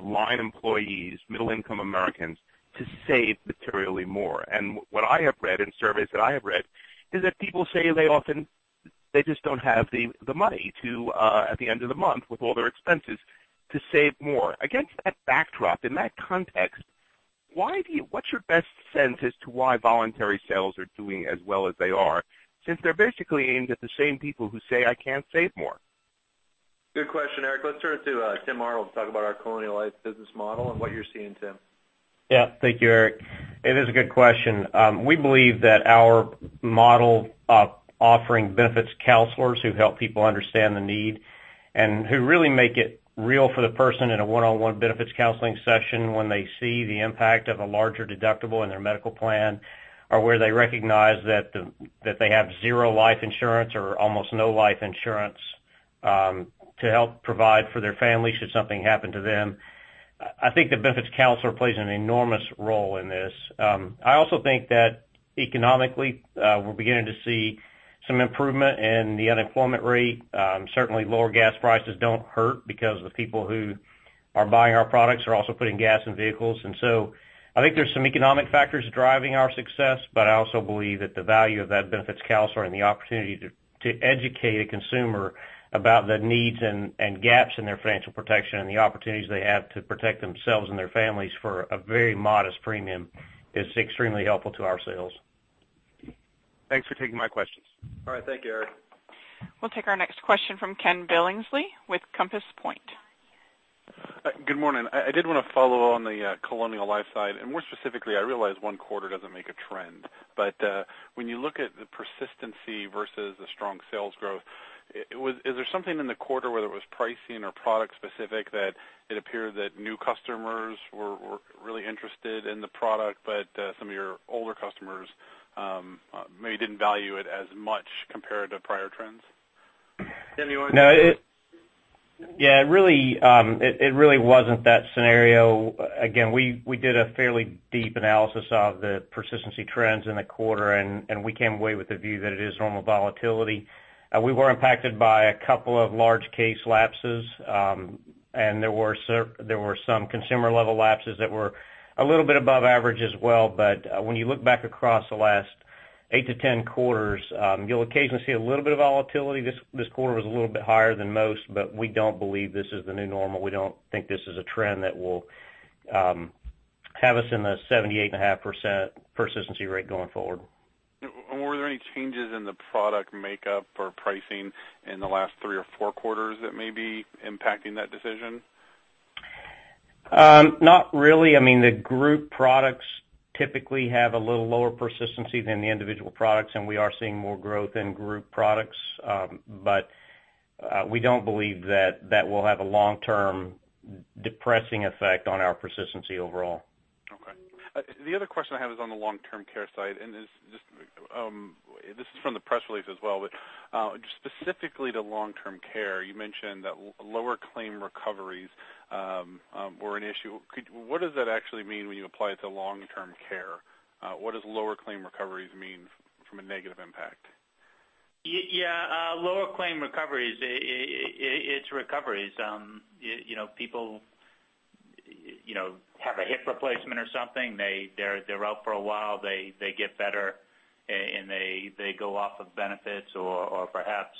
line employees, middle-income Americans, to save materially more. What I have read in surveys that I have read is that people say they often just don't have the money, at the end of the month with all their expenses, to save more. Against that backdrop, in that context, what's your best sense as to why voluntary sales are doing as well as they are, since they're basically aimed at the same people who say, "I can't save more"? Good question, Eric. Let's turn it to Timothy Arnold to talk about our Colonial Life business model and what you're seeing, Tim. Yeah, thank you, Eric. It is a good question. We believe that our model of offering benefits counselors who help people understand the need and who really make it real for the person in a one-on-one benefits counseling session when they see the impact of a larger deductible in their medical plan, or where they recognize that they have zero life insurance or almost no life insurance to help provide for their family should something happen to them. I think the benefits counselor plays an enormous role in this. I also think that economically, we're beginning to see some improvement in the unemployment rate. Certainly, lower gas prices don't hurt because the people who are buying our products are also putting gas in vehicles. I think there's some economic factors driving our success, but I also believe that the value of that benefits counselor and the opportunity to educate a consumer about the needs and gaps in their financial protection and the opportunities they have to protect themselves and their families for a very modest premium is extremely helpful to our sales. Thanks for taking my questions. All right. Thank you, Eric. We'll take our next question from Ken Billingsley with Compass Point. Good morning. I did want to follow on the Colonial Life side, and more specifically, I realize one quarter doesn't make a trend, but when you look at the persistency versus the strong sales growth, is there something in the quarter, whether it was pricing or product specific, that it appeared that new customers were really interested in the product, but some of your older customers maybe didn't value it as much compared to prior trends? Tim, Yeah, it really wasn't that scenario. Again, we did a fairly deep analysis of the persistency trends in the quarter, and we came away with the view that it is normal volatility. We were impacted by a couple of large case lapses, and there were some consumer-level lapses that were a little bit above average as well. When you look back across the last eight to 10 quarters, you'll occasionally see a little bit of volatility. This quarter was a little bit higher than most, but we don't believe this is the new normal. We don't think this is a trend that will have us in the 78.5% persistency rate going forward. Were there any changes in the product makeup or pricing in the last three or four quarters that may be impacting that decision? Not really. I mean, the group products typically have a little lower persistency than the individual products, and we are seeing more growth in group products. We don't believe that that will have a long-term depressing effect on our persistency overall. Okay. The other question I have is on the long-term care side, and this is from the press release as well. Just specifically to long-term care, you mentioned that lower claim recoveries were an issue. What does that actually mean when you apply it to long-term care? What does lower claim recoveries mean from a negative impact? Yeah. Lower claim recoveries, it's recoveries. People have a hip replacement or something. They're out for a while. They get better, and they go off of benefits or perhaps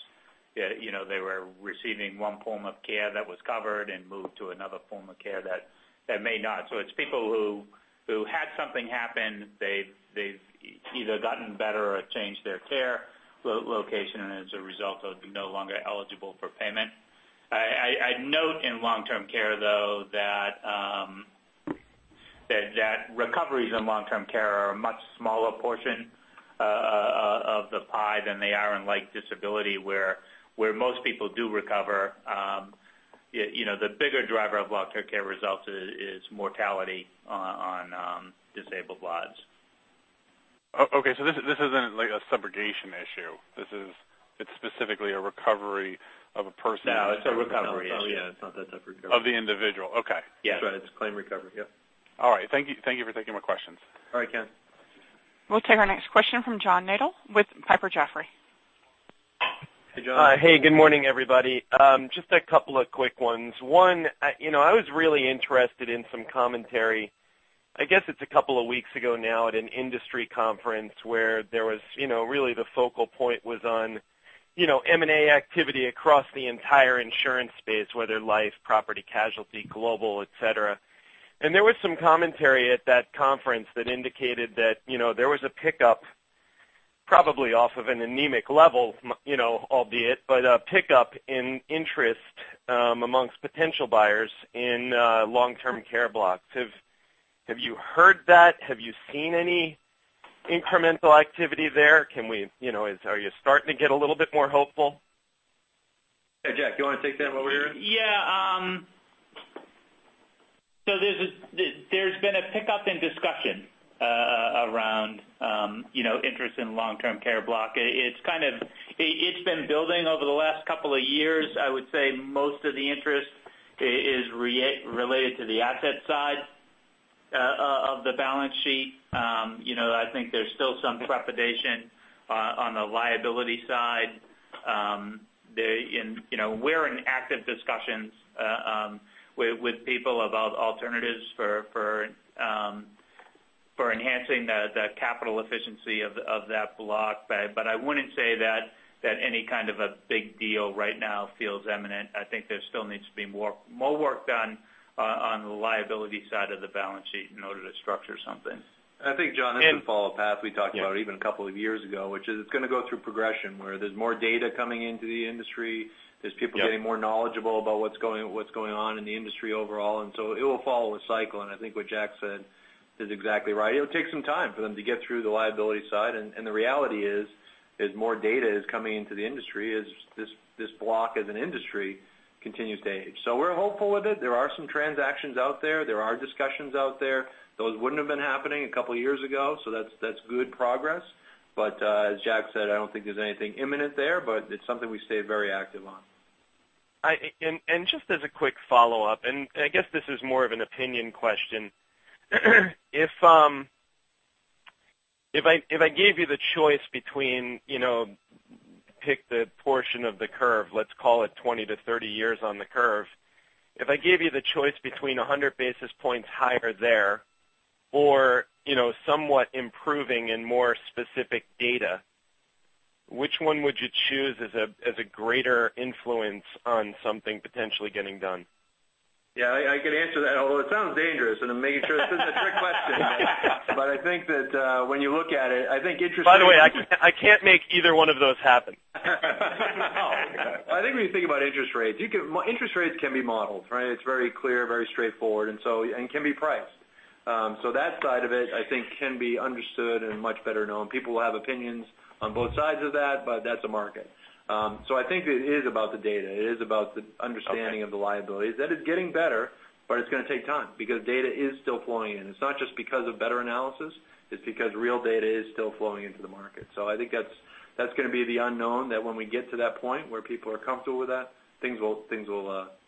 they were receiving one form of care that was covered and moved to another form of care that may not. It's people who had something happen. They've either gotten better or changed their care location, and as a result are no longer eligible for payment. I'd note in long-term care, though, that recoveries in long-term care are a much smaller portion of the pie than they are in disability, where most people do recover. The bigger driver of long-term care results is mortality on disabled lives. Okay, this isn't like a subrogation issue. It's specifically a recovery of a person. No, it's a recovery issue. Oh, yeah, it's not that type of recovery. Of the individual. Okay. Yes. That's right. It's claim recovery. Yep. All right. Thank you for taking my questions. All right, Ken. We'll take our next question from John Nadel with Piper Jaffray. Hey, John. Hey, good morning, everybody. Just a couple of quick ones. One, I was really interested in some commentary, I guess it's a couple of weeks ago now at an industry conference where there was really the focal point was on M&A activity across the entire insurance space, whether life, property, casualty, global, et cetera. There was some commentary at that conference that indicated that there was a pickup probably off of an anemic level, albeit, but a pickup in interest amongst potential buyers in long-term care blocks. Have you heard that? Have you seen any incremental activity there? Are you starting to get a little bit more hopeful? Hey, Jack, do you want to take that while we're here? Yeah. There's been a pickup in discussion Interest in long-term care block. It's been building over the last couple of years. I would say most of the interest is related to the asset side of the balance sheet. I think there's still some trepidation on the liability side. We're in active discussions with people about alternatives for enhancing the capital efficiency of that block. I wouldn't say that any kind of a big deal right now feels imminent. I think there still needs to be more work done on the liability side of the balance sheet in order to structure something. I think, John, this would follow a path we talked about even a couple of years ago, which is it's going to go through progression where there's more data coming into the industry. Yep. There's people getting more knowledgeable about what's going on in the industry overall, and so it will follow a cycle, and I think what Jack said is exactly right. It'll take some time for them to get through the liability side, and the reality is, as more data is coming into the industry, is this block as an industry continues to age. We're hopeful with it. There are some transactions out there. There are discussions out there. Those wouldn't have been happening a couple of years ago, so that's good progress. As Jack said, I don't think there's anything imminent there, but it's something we stay very active on. Just as a quick follow-up, and I guess this is more of an opinion question. If I gave you the choice between pick the portion of the curve, let's call it 20-30 years on the curve. If I gave you the choice between 100 basis points higher there or somewhat improving in more specific data, which one would you choose as a greater influence on something potentially getting done? I can answer that, although it sounds dangerous, and I'm making sure this isn't a trick question. I think that when you look at it, I think interest rates- By the way, I can't make either one of those happen. I think when you think about interest rates, interest rates can be modeled, right? It's very clear, very straightforward, and can be priced. That side of it, I think, can be understood and much better known. People will have opinions on both sides of that, but that's a market. I think it is about the data. It is about the understanding of the liabilities. That is getting better, but it's going to take time because data is still flowing in. It's not just because of better analysis. It's because real data is still flowing into the market. I think that's going to be the unknown, that when we get to that point where people are comfortable with that, things will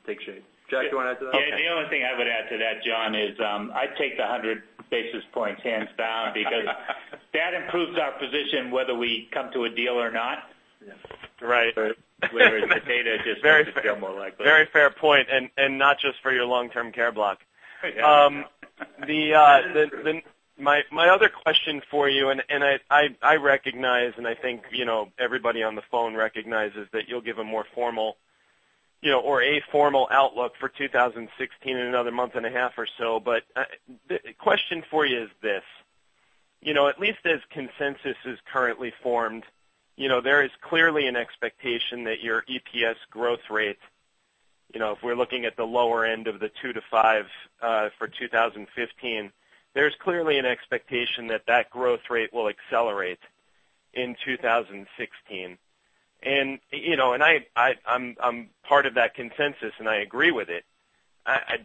take shape. Jack, do you want to add to that? Yeah, the only thing I would add to that, John, is I'd take the 100 basis points hands down because that improves our position whether we come to a deal or not. Yeah. Right. Whereas the data just makes it feel more likely. Very fair point. Not just for your long-term care block. Yeah. My other question for you, I recognize and I think everybody on the phone recognizes that you'll give a more formal or a formal outlook for 2016 in another month and a half or so. The question for you is this. At least as consensus is currently formed, there is clearly an expectation that your EPS growth rate, if we're looking at the lower end of the two to five for 2015, there's clearly an expectation that that growth rate will accelerate in 2016. I'm part of that consensus, and I agree with it. I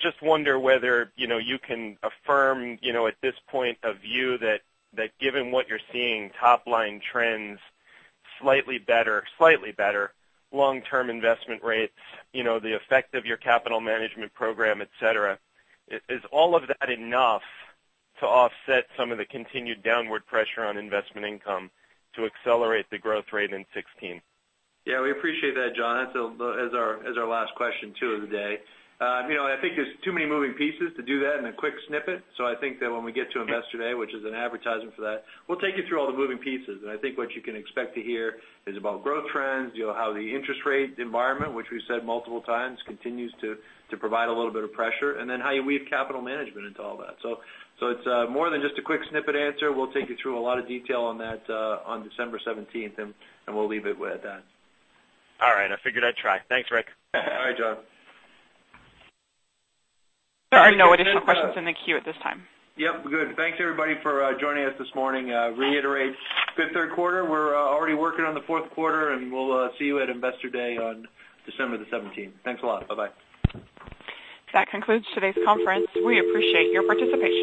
just wonder whether you can affirm at this point of view that given what you're seeing, top-line trends slightly better, long-term investment rates, the effect of your capital management program, et cetera, is all of that enough to offset some of the continued downward pressure on investment income to accelerate the growth rate in 2016? Yeah, we appreciate that, John. That's our last question, too, of the day. I think there's too many moving pieces to do that in a quick snippet. I think that when we get to Investor Day, which is an advertisement for that, we'll take you through all the moving pieces. I think what you can expect to hear is about growth trends, how the interest rate environment, which we've said multiple times, continues to provide a little bit of pressure, and then how you weave capital management into all that. It's more than just a quick snippet answer. We'll take you through a lot of detail on that on December 17th, and we'll leave it with that. All right. I figured I'd try. Thanks, Rick. All right, John. There are no additional questions in the queue at this time. Yep. Good. Thanks, everybody, for joining us this morning. Reiterate, good third quarter. We're already working on the fourth quarter. We'll see you at Investor Day on December the 17th. Thanks a lot. Bye-bye. That concludes today's conference. We appreciate your participation.